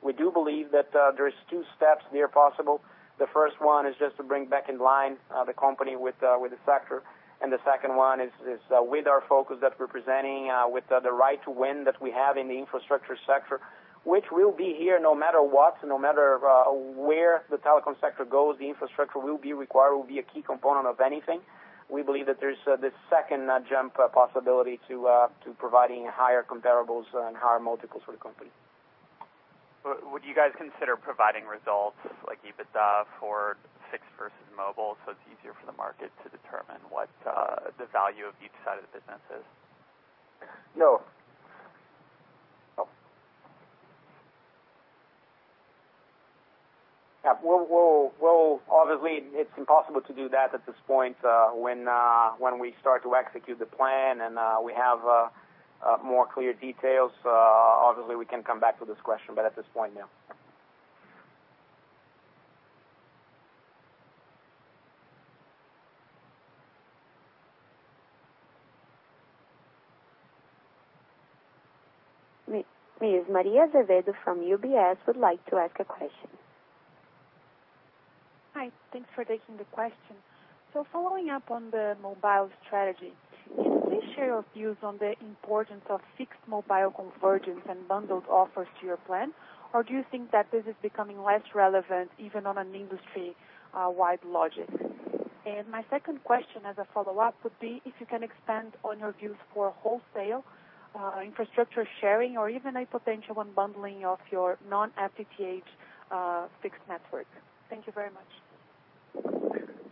Speaker 5: We do believe that there's two steps here possible. The first one is just to bring back in line the company with the factor. The second one is with our focus that we're presenting with the right to win that we have in the infrastructure sector, which will be here no matter what, no matter where the telecom sector goes, the infrastructure will be required, will be a key component of anything. We believe that there's this second jump possibility to providing higher comparables and higher multiples for the company.
Speaker 10: Would you guys consider providing results like EBITDA for fixed versus mobile, so it's easier for the market to determine what the value of each side of the business is?
Speaker 2: No.
Speaker 5: Yeah. Obviously, it's impossible to do that at this point. When we start to execute the plan and we have more clear details, obviously we can come back to this question. At this point, no.
Speaker 1: Ms. Maria Azevedo from UBS would like to ask a question.
Speaker 11: Hi. Thanks for taking the question. Following up on the mobile strategy, can you please share your views on the importance of fixed mobile convergence and bundled offers to your plan, or do you think that this is becoming less relevant even on an industry-wide logic? My second question as a follow-up would be if you can expand on your views for wholesale infrastructure sharing, or even a potential unbundling of your non-FTTH fixed network. Thank you very much.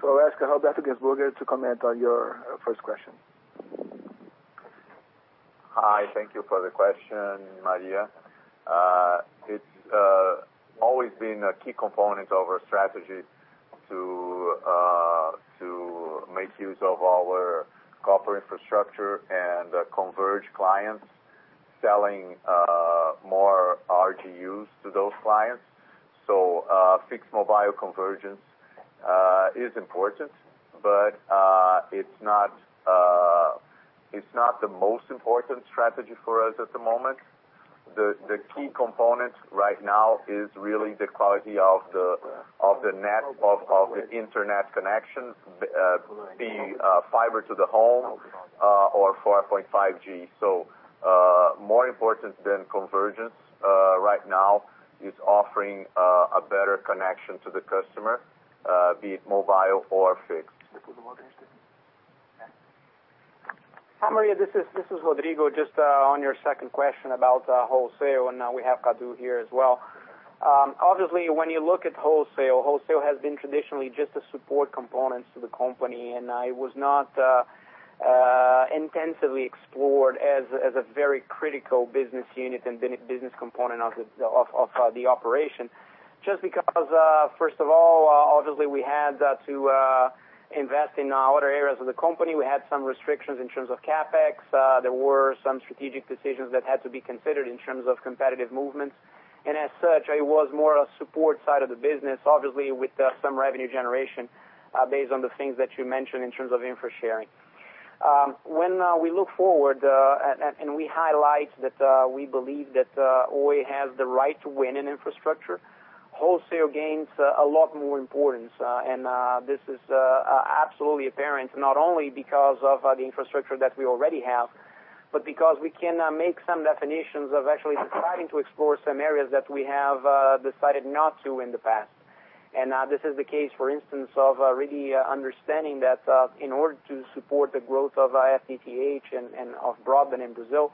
Speaker 2: I'll ask Roberto Guenzburger to comment on your first question.
Speaker 3: Hi. Thank you for the question, Maria. It's always been a key component of our strategy to make use of our copper infrastructure and converge clients selling more RGUs to those clients. Fixed mobile convergence is important, but it's not the most important strategy for us at the moment. The key component right now is really the quality of the internet connection, be it fiber to the home or 4.5G. More important than convergence right now is offering a better connection to the customer, be it mobile or fixed.
Speaker 5: Hi, Maria, this is Rodrigo. Just on your second question about wholesale. Now we have Cadu here as well. Obviously, when you look at wholesale has been traditionally just a support component to the company, and it was not intensively explored as a very critical business unit and business component of the operation. Just because, first of all, obviously, we had to invest in other areas of the company. We had some restrictions in terms of CapEx. There were some strategic decisions that had to be considered in terms of competitive movements. As such, it was more a support side of the business, obviously, with some revenue generation based on the things that you mentioned in terms of infra sharing. When we look forward, we highlight that we believe that Oi has the right to win in infrastructure, wholesale gains a lot more importance. This is absolutely apparent, not only because of the infrastructure that we already have, but because we can make some definitions of actually starting to explore some areas that we have decided not to in the past. This is the case, for instance, of really understanding that in order to support the growth of FTTH and of broadband in Brazil,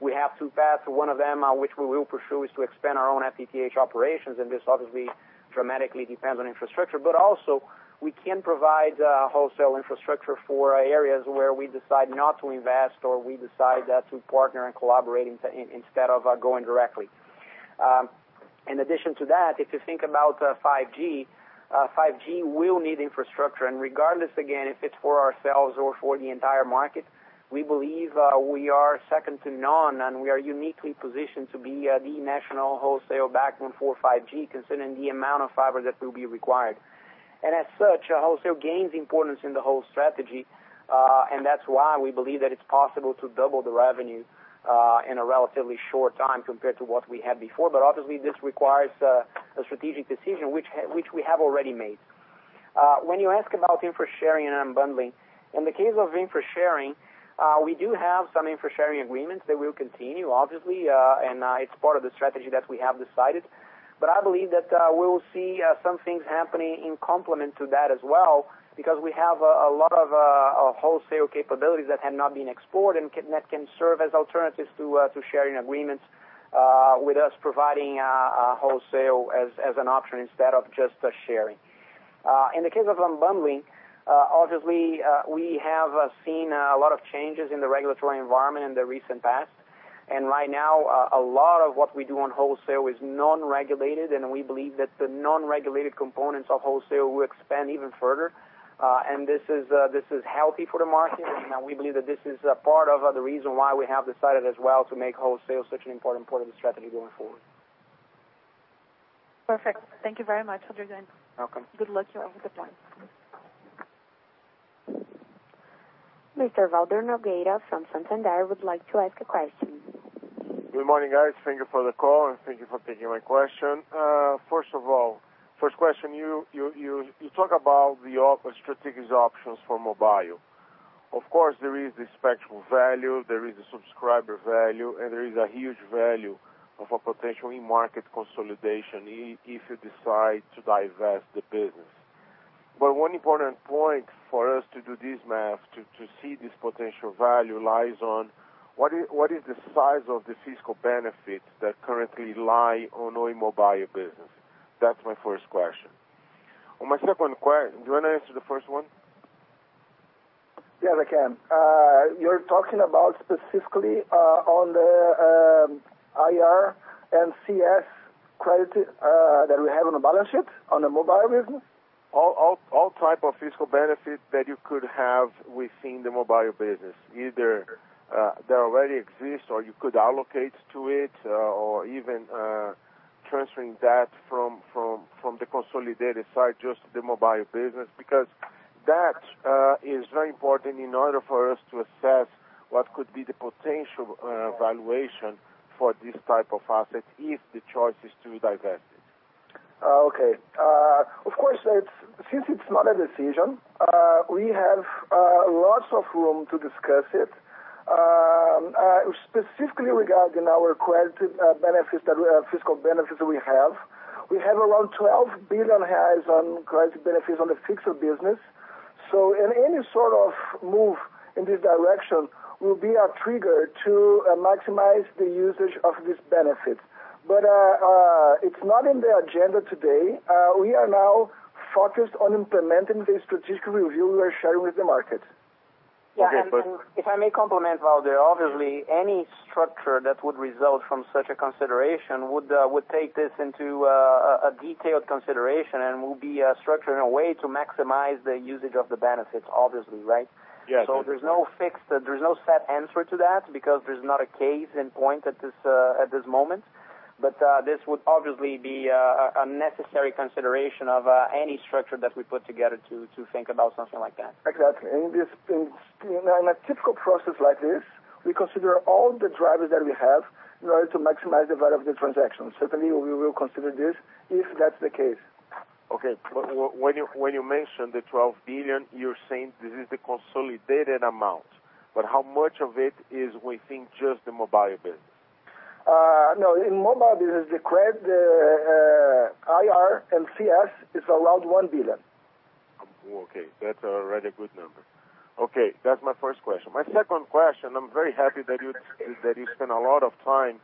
Speaker 5: we have two paths. One of them, which we will pursue, is to expand our own FTTH operations, and this obviously dramatically depends on infrastructure. Also we can provide wholesale infrastructure for areas where we decide not to invest, or we decide to partner and collaborate instead of going directly. In addition to that, if you think about 5G. 5G will need infrastructure, regardless, again, if it's for ourselves or for the entire market, we believe we are second to none, and we are uniquely positioned to be the national wholesale backbone for 5G, considering the amount of fiber that will be required. As such, wholesale gains importance in the whole strategy. That's why we believe that it's possible to double the revenue in a relatively short time compared to what we had before. Obviously, this requires a strategic decision, which we have already made. When you ask about infra-sharing and unbundling, in the case of infra-sharing, we do have some infra-sharing agreements that will continue, obviously, and it's part of the strategy that we have decided. I believe that we will see some things happening in complement to that as well, because we have a lot of wholesale capabilities that have not been explored and that can serve as alternatives to sharing agreements with us, providing wholesale as an option instead of just sharing. In the case of unbundling, obviously, we have seen a lot of changes in the regulatory environment in the recent past. Right now, a lot of what we do on wholesale is non-regulated, and we believe that the non-regulated components of wholesale will expand even further. This is healthy for the market, and we believe that this is part of the reason why we have decided as well to make wholesale such an important part of the strategy going forward.
Speaker 11: Perfect. Thank you very much. All the best.
Speaker 5: Welcome.
Speaker 11: Good luck. You have a good one.
Speaker 1: Mr. Valder Nogueira from Santander would like to ask a question.
Speaker 12: Good morning, guys. Thank you for the call, thank you for taking my question. First of all, first question, you talk about the strategic options for mobile. Of course, there is the spectral value, there is the subscriber value, and there is a huge value of a potential in-market consolidation if you decide to divest the business. One important point for us to do this math, to see this potential value lies on what is the size of the fiscal benefits that currently lie on Oi mobile business? That's my first question. On my second question. Do you want to answer the first one?
Speaker 2: Yes, I can. You're talking about specifically on the IR and CS credit that we have on the balance sheet on the mobile business?
Speaker 12: All type of fiscal benefit that you could have within the mobile business, either that already exists, or you could allocate to it, or even transferring that from the consolidated side, just the mobile business. That is very important in order for us to assess what could be the potential valuation for this type of asset if the choice is to divest it.
Speaker 2: Okay. Of course, since it's not a decision, we have lots of room to discuss it. Specifically regarding our credit benefits that we have, fiscal benefits that we have. We have around 12 billion reais on credit benefits on the fixed business. Any sort of move in this direction will be a trigger to maximize the usage of this benefit. It's not in the agenda today. We are now focused on implementing the strategic review we are sharing with the market.
Speaker 12: Okay.
Speaker 5: Yeah, if I may complement Valder, obviously, any structure that would result from such a consideration would take this into a detailed consideration and will be structured in a way to maximize the usage of the benefits, obviously. Right?
Speaker 12: Yeah.
Speaker 5: There's no set answer to that because there's not a case in point at this moment. This would obviously be a necessary consideration of any structure that we put together to think about something like that.
Speaker 2: Exactly. In a typical process like this, we consider all the drivers that we have in order to maximize the value of the transaction. Certainly, we will consider this if that's the case.
Speaker 12: Okay. When you mention the 12 billion, you're saying this is the consolidated amount. How much of it is within just the mobile business?
Speaker 2: In mobile, the credit IR and CS is around 1 billion.
Speaker 12: Okay. That's already a good number. Okay. That's my first question. My second question, I'm very happy that you spent a lot of time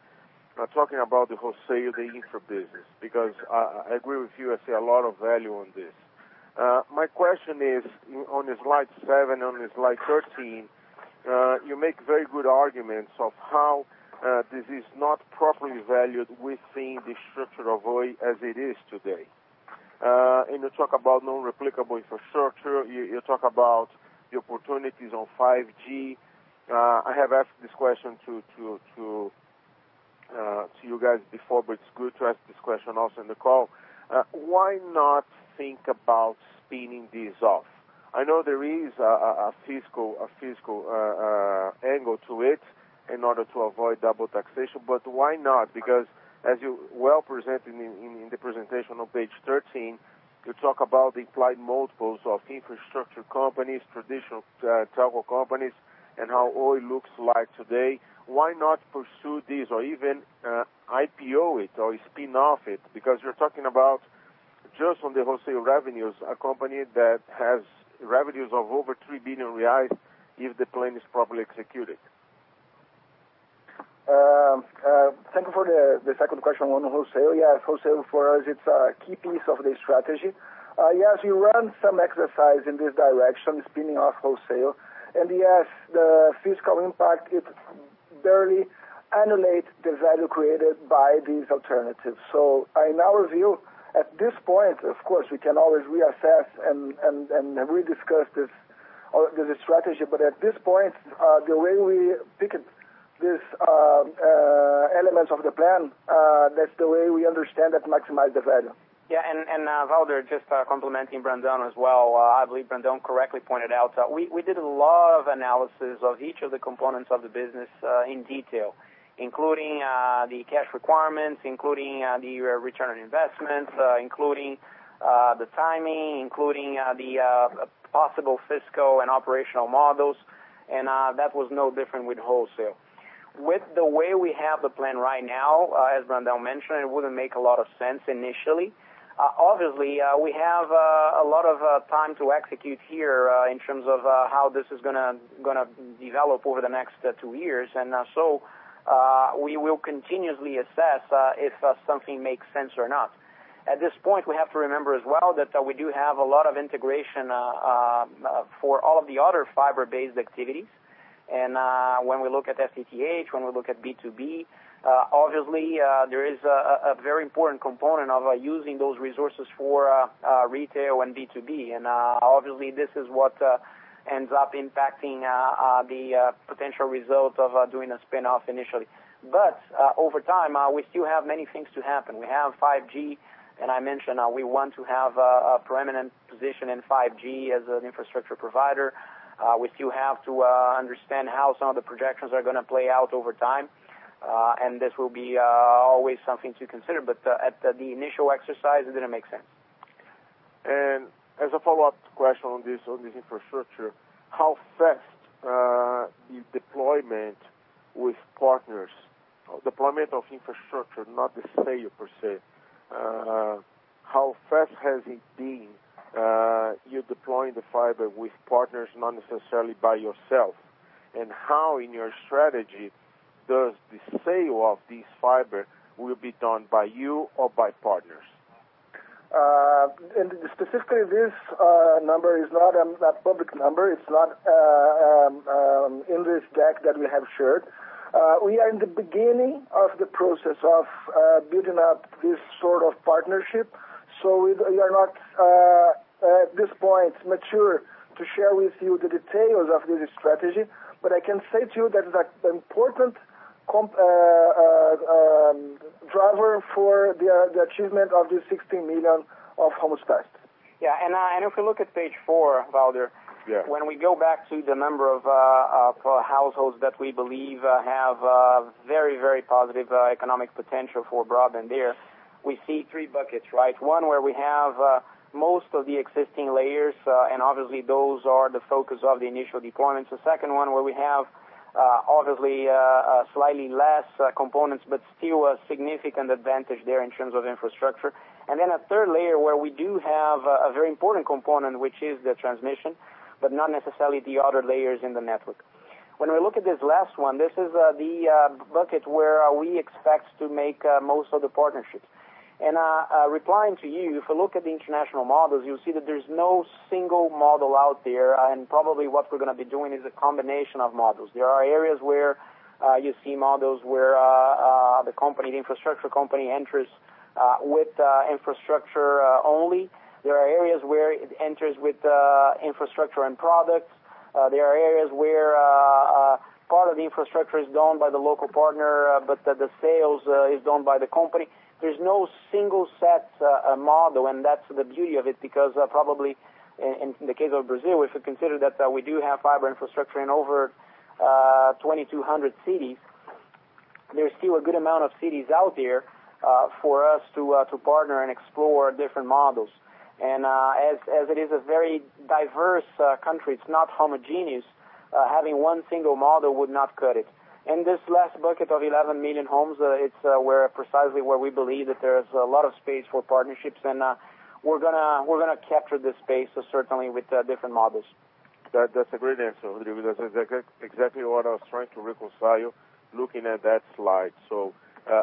Speaker 12: talking about the wholesale, the infra business, because I agree with you. I see a lot of value in this. My question is on slide seven and on slide 13, you make very good arguments of how this is not properly valued within the structure of Oi as it is today. You talk about non-replicable infrastructure, you talk about the opportunities on 5G. I have asked this question to you guys before, it's good to ask this question also in the call. Why not think about spinning this off? I know there is a fiscal angle to it in order to avoid double taxation, but why not? As you well presented in the presentation on page 13, you talk about the implied multiples of infrastructure companies, traditional telco companies, and how Oi looks like today. Why not pursue this or even IPO it or spin off it? You're talking about just on the wholesale revenues, a company that has revenues of over 3 billion reais if the plan is properly executed.
Speaker 2: Thank you for the second question on wholesale. Wholesale for us, it's a key piece of the strategy. We ran some exercise in this direction, spinning off wholesale, and the fiscal impact, it barely annihilates the value created by these alternatives. In our view, at this point, of course, we can always reassess and rediscuss this strategy. At this point, the way we picked these elements of the plan, that's the way we understand that maximize the value.
Speaker 5: Valder, just complementing Brandão as well. I believe Brandão correctly pointed out that we did a lot of analysis of each of the components of the business in detail, including the cash requirements, including the return on investment, including the timing, including the possible fiscal and operational models, and that was no different with wholesale. With the way we have the plan right now, as Brandão mentioned, it wouldn't make a lot of sense initially. Obviously, we have a lot of time to execute here in terms of how this is going to develop over the next two years. We will continuously assess if something makes sense or not. At this point, we have to remember as well that we do have a lot of integration for all of the other fiber-based activities. When we look at FTTH, when we look at B2B, obviously, there is a very important component of using those resources for retail and B2B. Obviously, this is what ends up impacting the potential result of doing a spinoff initially. Over time, we still have many things to happen. We have 5G, and I mentioned we want to have a preeminent position in 5G as an infrastructure provider. We still have to understand how some of the projections are going to play out over time. This will be always something to consider. At the initial exercise, it didn't make sense.
Speaker 12: As a follow-up question on this infrastructure, how fast is deployment with partners? Deployment of infrastructure, not the sale per se. How fast has it been you deploying the fiber with partners, not necessarily by yourself? How, in your strategy, does the sale of this fiber will be done by you or by partners?
Speaker 2: Specifically, this number is not a public number. It's not in this deck that we have shared. We are in the beginning of the process of building up this sort of partnership. We are not, at this point, mature to share with you the details of this strategy. I can say to you that it's an important driver for the achievement of the 16 million of homes passed.
Speaker 5: Yeah. If we look at page four, Valder.
Speaker 2: Yeah.
Speaker 5: When we go back to the number of households that we believe have very positive economic potential for broadband there, we see three buckets, right? One where we have most of the existing layers, obviously those are the focus of the initial deployments. The second one where we have obviously slightly less components, still a significant advantage there in terms of infrastructure. Then a third layer where we do have a very important component, which is the transmission, but not necessarily the other layers in the network. When we look at this last one, this is the bucket where we expect to make most of the partnerships. Replying to you, if you look at the international models, you'll see that there's no single model out there, probably what we're going to be doing is a combination of models. There are areas where you see models where the infrastructure company enters with infrastructure only. There are areas where it enters with infrastructure and products. There are areas where part of the infrastructure is done by the local partner, but the sales is done by the company. There's no single set model, that's the beauty of it, probably in the case of Brazil, if you consider that we do have fiber infrastructure in over 2,200 cities, there's still a good amount of cities out there for us to partner and explore different models. As it is a very diverse country, it's not homogeneous. Having one single model would not cut it. In this last bucket of 11 million homes, it's precisely where we believe that there's a lot of space for partnerships, we're going to capture this space certainly with different models.
Speaker 12: That's a great answer, Rodrigo. That's exactly what I was trying to reconcile looking at that slide.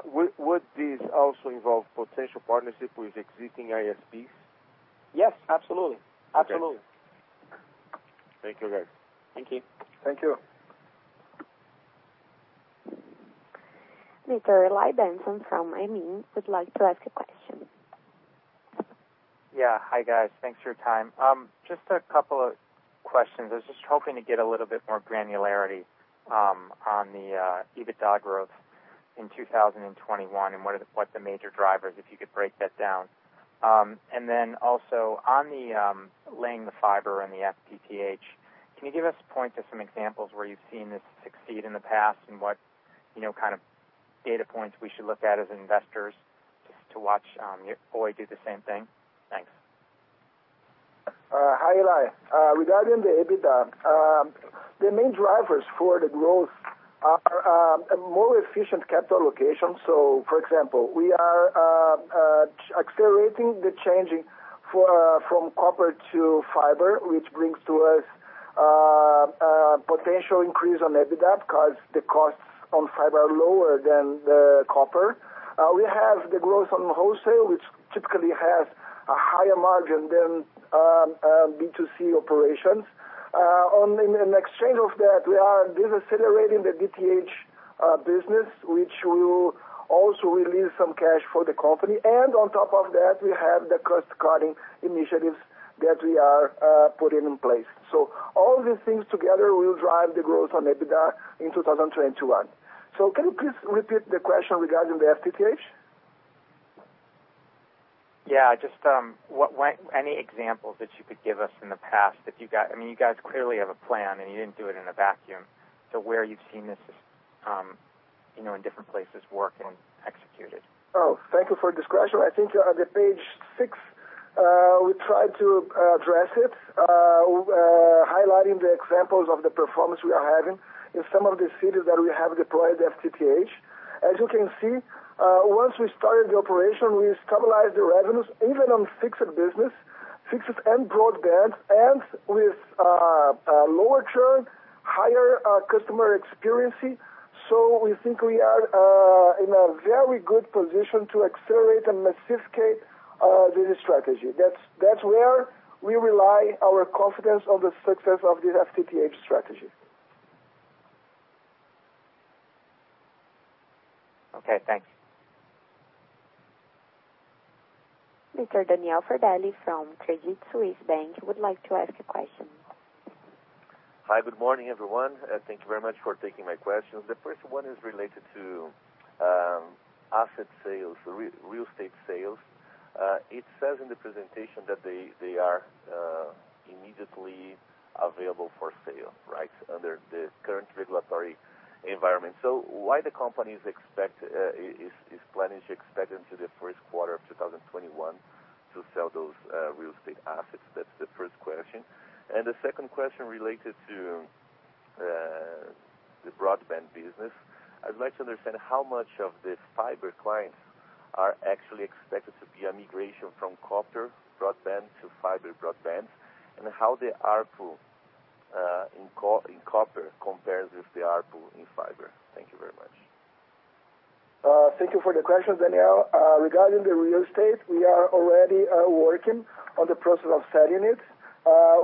Speaker 12: Would this also involve potential partnership with existing ISPs?
Speaker 5: Yes, absolutely.
Speaker 12: Okay.
Speaker 5: Absolutely.
Speaker 12: Thank you, guys.
Speaker 5: Thank you.
Speaker 2: Thank you.
Speaker 1: Mr. Eli [Benson from AIIM] would like to ask a question.
Speaker 13: Yeah. Hi, guys. Thanks for your time. Just a couple of questions. I was just hoping to get a little bit more granularity on the EBITDA growth in 2021 and what the major drivers, if you could break that down. Also on the laying the fiber and the FTTH, can you give us point to some examples where you've seen this succeed in the past and what kind of data points we should look at as investors just to watch Oi do the same thing? Thanks.
Speaker 2: Hi, Eli. Regarding the EBITDA, the main drivers for the growth are a more efficient capital location. For example, we are accelerating the changing from copper to fiber, which brings to us potential increase on EBITDA because the costs on fiber are lower than the copper. We have the growth on wholesale, which typically has a higher margin than B2C operations. In exchange of that, we are decelerating the DTH business, which will also release some cash for the company. On top of that, we have the cost-cutting initiatives that we are putting in place. All these things together will drive the growth on EBITDA in 2021. Can you please repeat the question regarding the FTTH?
Speaker 13: Yeah. Just any examples that you could give us from the past. You guys clearly have a plan, and you didn't do it in a vacuum. Where you've seen this in different places working, executed.
Speaker 2: Oh, thank you for this question. I think on the page six, we tried to address it, highlighting the examples of the performance we are having in some of the cities that we have deployed the FTTH. As you can see, once we started the operation, we stabilized the revenues, even on fixed business, fixed and broadband, and with lower churn, higher customer experience. We think we are in a very good position to accelerate and massificate this strategy. That's where we rely our confidence on the success of this FTTH strategy.
Speaker 13: Okay, thanks.
Speaker 1: Mr. Daniel Federle from Credit Suisse would like to ask a question.
Speaker 14: Hi, good morning, everyone. Thank you very much for taking my questions. The first one is related to asset sales, real estate sales. It says in the presentation that they are immediately available for sale, right? Under the current regulatory environment. Why the company is planning to expand into the first quarter of 2021 to sell those real estate assets? That's the first question. The second question related to the broadband business. I'd like to understand how much of the fiber clients are actually expected to be a migration from copper broadband to fiber broadband, and how the ARPU in copper compares with the ARPU in fiber. Thank you very much.
Speaker 2: Thank you for the questions, Daniel. Regarding the real estate, we are already working on the process of selling it.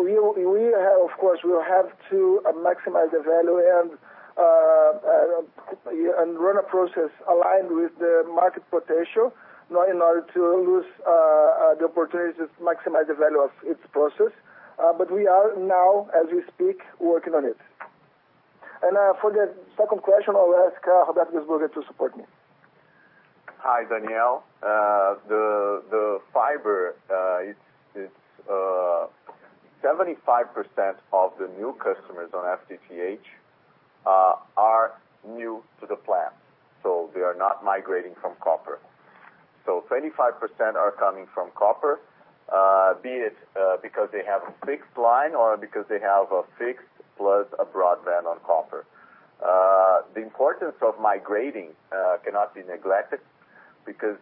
Speaker 2: We of course will have to maximize the value and run a process aligned with the market potential, not in order to lose the opportunity to maximize the value of its process. We are now, as we speak, working on it. For the second question, I'll ask Roberto Guenzburger to support me.
Speaker 3: Hi, Daniel. The fiber, 75% of the new customers on FTTH are new to the plan. They are not migrating from copper. 25% are coming from copper, be it because they have a fixed line or because they have a fixed plus a broadband on copper. The importance of migrating cannot be neglected because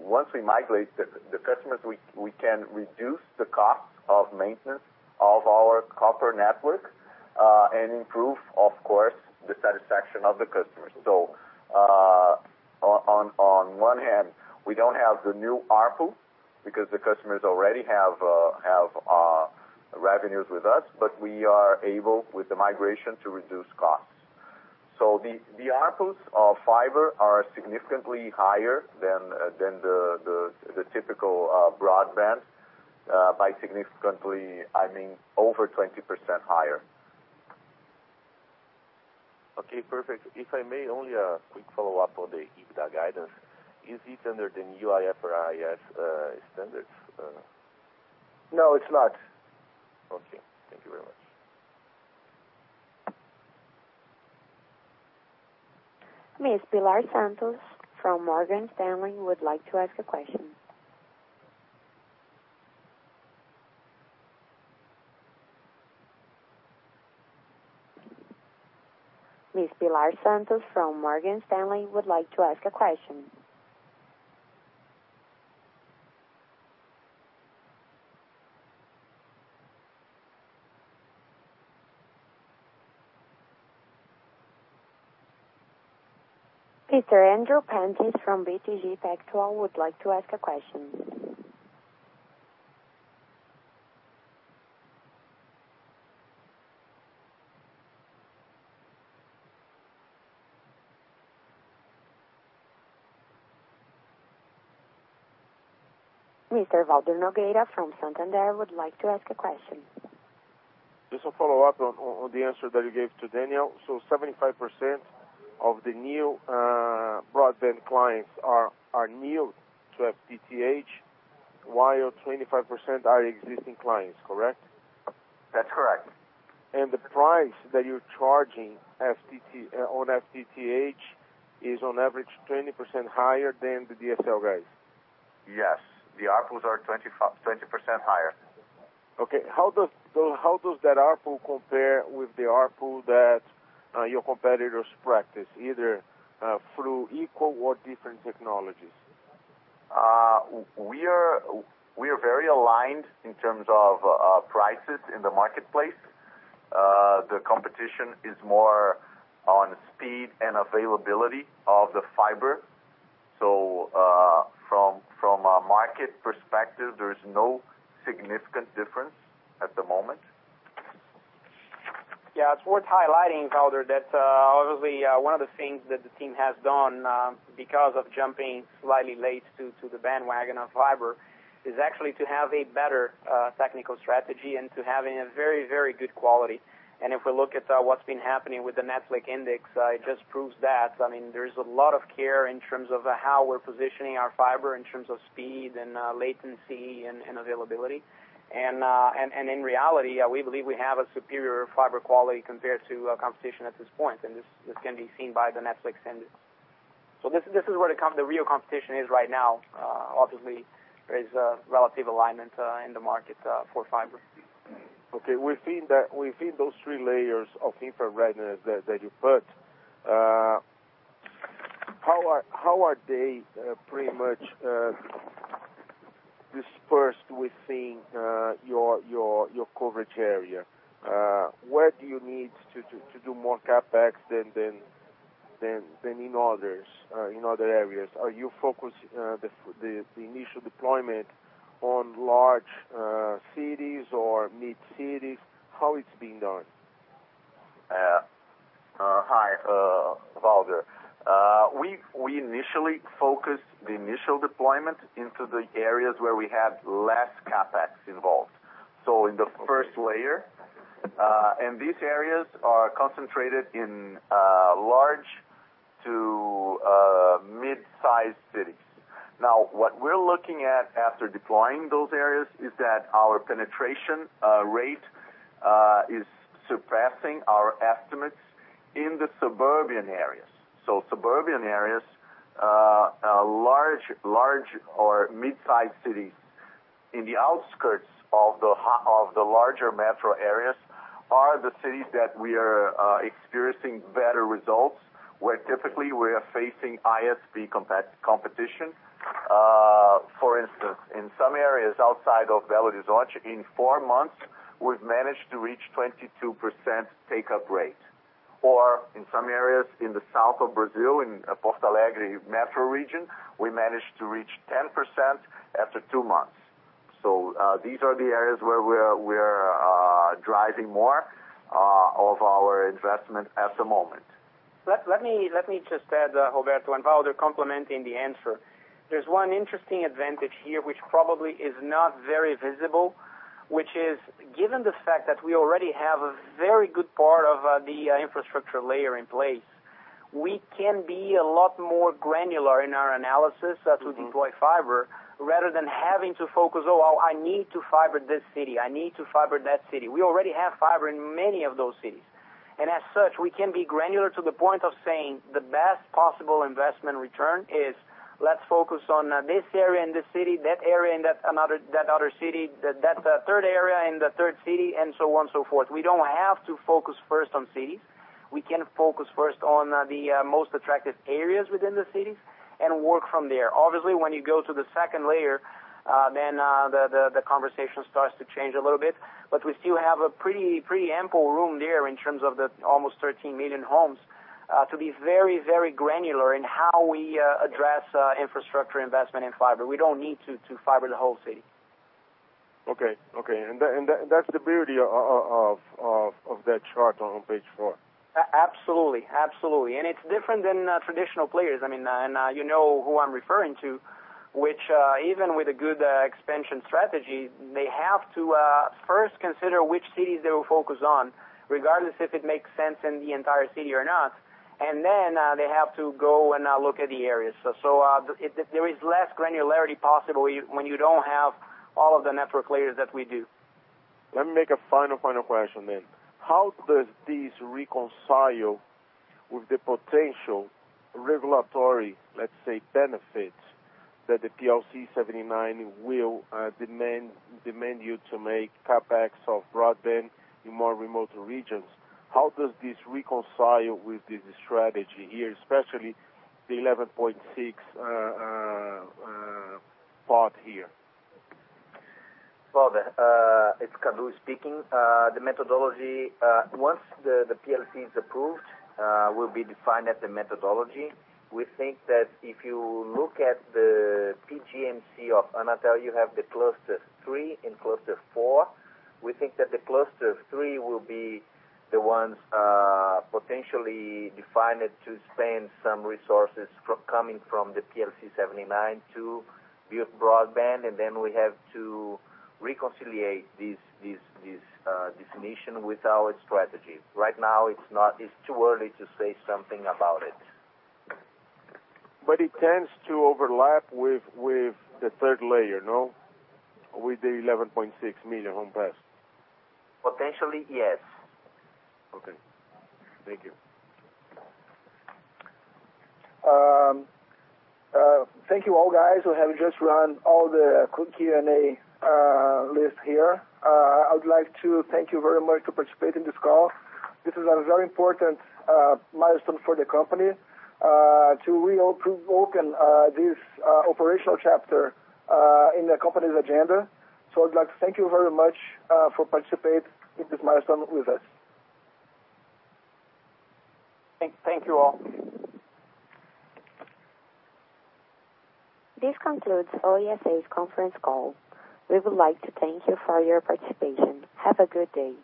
Speaker 3: once we migrate the customers, we can reduce the cost of maintenance of our copper network, and improve, of course, the satisfaction of the customers. On one hand, we don't have the new ARPU because the customers already have revenues with us, but we are able, with the migration, to reduce costs. The ARPUs of fiber are significantly higher than the typical broadband. By significantly, I mean over 20% higher.
Speaker 14: Okay, perfect. If I may, only a quick follow-up on the EBITDA guidance. Is it under the new IFRS standards?
Speaker 2: No, it's not.
Speaker 14: Okay. Thank you very much.
Speaker 1: Miss Pilar Santos from Morgan Stanley would like to ask a question. [Peter Andrew Pantis] from BTG Pactual would like to ask a question. Mr. Valder Nogueira from Santander would like to ask a question.
Speaker 12: Just a follow-up on the answer that you gave to Daniel Federle. 75% of the new broadband clients are new to FTTH, while 25% are existing clients, correct?
Speaker 2: That's correct.
Speaker 12: The price that you're charging on FTTH is on average 20% higher than the DSL guys?
Speaker 2: Yes. The ARPUs are 20% higher.
Speaker 12: Okay. How does that ARPU compare with the ARPU that your competitors practice, either through equal or different technologies?
Speaker 2: We are very aligned in terms of prices in the marketplace. The competition is more on speed and availability of the fiber. From a market perspective, there is no significant difference at the moment.
Speaker 5: Yeah. It's worth highlighting, Valder, that obviously one of the things that the team has done, because of jumping slightly late to the bandwagon on fiber, is actually to have a better technical strategy into having a very good quality. If we look at what's been happening with the Netflix index, it just proves that. There's a lot of care in terms of how we're positioning our fiber in terms of speed and latency and availability. In reality, we believe we have a superior fiber quality compared to competition at this point, and this can be seen by the Netflix index. This is where the real competition is right now. Obviously, there is a relative alignment in the market for fiber.
Speaker 12: Okay. Within those three layers of infra that you put, how are they pretty much dispersed within your coverage area? Where do you need to do more CapEx than in other areas? Are you focused the initial deployment on large cities or mid cities? How it's being done?
Speaker 3: Hi, Valder. We initially focused the initial deployment into the areas where we have less CapEx involved. In the first layer. These areas are concentrated in large to mid-size cities. What we're looking at after deploying those areas is that our penetration rate is surpassing our estimates in the suburban areas. Suburban areas, large or mid-size cities in the outskirts of the larger metro areas are the cities that we are experiencing better results, where typically we are facing ISP competition. For instance, in some areas outside of Belo Horizonte, in four months, we've managed to reach 22% take-up rate. Or in some areas in the south of Brazil, in Porto Alegre metro region, we managed to reach 10% after two months. These are the areas where we are Driving more of our investment at the moment.
Speaker 5: Let me just add, Roberto and Valder, complementing the answer. There's one interesting advantage here, which probably is not very visible, which is given the fact that we already have a very good part of the infrastructure layer in place, we can be a lot more granular in our analysis as we deploy fiber rather than having to focus, "Oh, I need to fiber this city. I need to fiber that city." We already have fiber in many of those cities. As such, we can be granular to the point of saying the best possible investment return is, let's focus on this area and this city, that area and that other city, that third area and that third city, and so on and so forth. We don't have to focus first on cities. We can focus first on the most attractive areas within the cities and work from there. When you go to the second layer, the conversation starts to change a little bit. We still have a pretty ample room there in terms of the almost 13 million homes, to be very granular in how we address infrastructure investment in fiber. We don't need to fiber the whole city.
Speaker 12: Okay. That's the beauty of that chart on page four.
Speaker 5: Absolutely. It's different than traditional players, and you know who I'm referring to, which even with a good expansion strategy, they have to first consider which cities they will focus on, regardless if it makes sense in the entire city or not. Then they have to go and look at the areas. There is less granularity possible when you don't have all of the network layers that we do.
Speaker 12: Let me make a final question. How does this reconcile with the potential regulatory, let's say, benefits that the PLC 79 will demand you to make CapEx of broadband in more remote regions? How does this reconcile with this strategy here, especially the 11.6 parts here?
Speaker 8: Valder, it's Cadu speaking. The methodology, once the PLC is approved, will be defined as the methodology. We think that if you look at the PGMC of Anatel, you have the cluster three and cluster four We think that the cluster three will be the ones potentially defined to spend some resources coming from the PLC 79 to build broadband. Then we have to reconciliate this definition with our strategy. Right now, it's too early to say something about it.
Speaker 12: It tends to overlap with the third layer, no? With the 11.6 million home pass.
Speaker 8: Potentially, yes.
Speaker 12: Okay. Thank you.
Speaker 2: Thank you all, guys, who have just run all the Q&A list here. I would like to thank you very much to participate in this call. This is a very important milestone for the company to reopen this operational chapter in the company's agenda. I'd like to thank you very much for participate in this milestone with us.
Speaker 5: Thank you all.
Speaker 1: This concludes Oi S.A.'s conference call. We would like to thank you for your participation. Have a good day.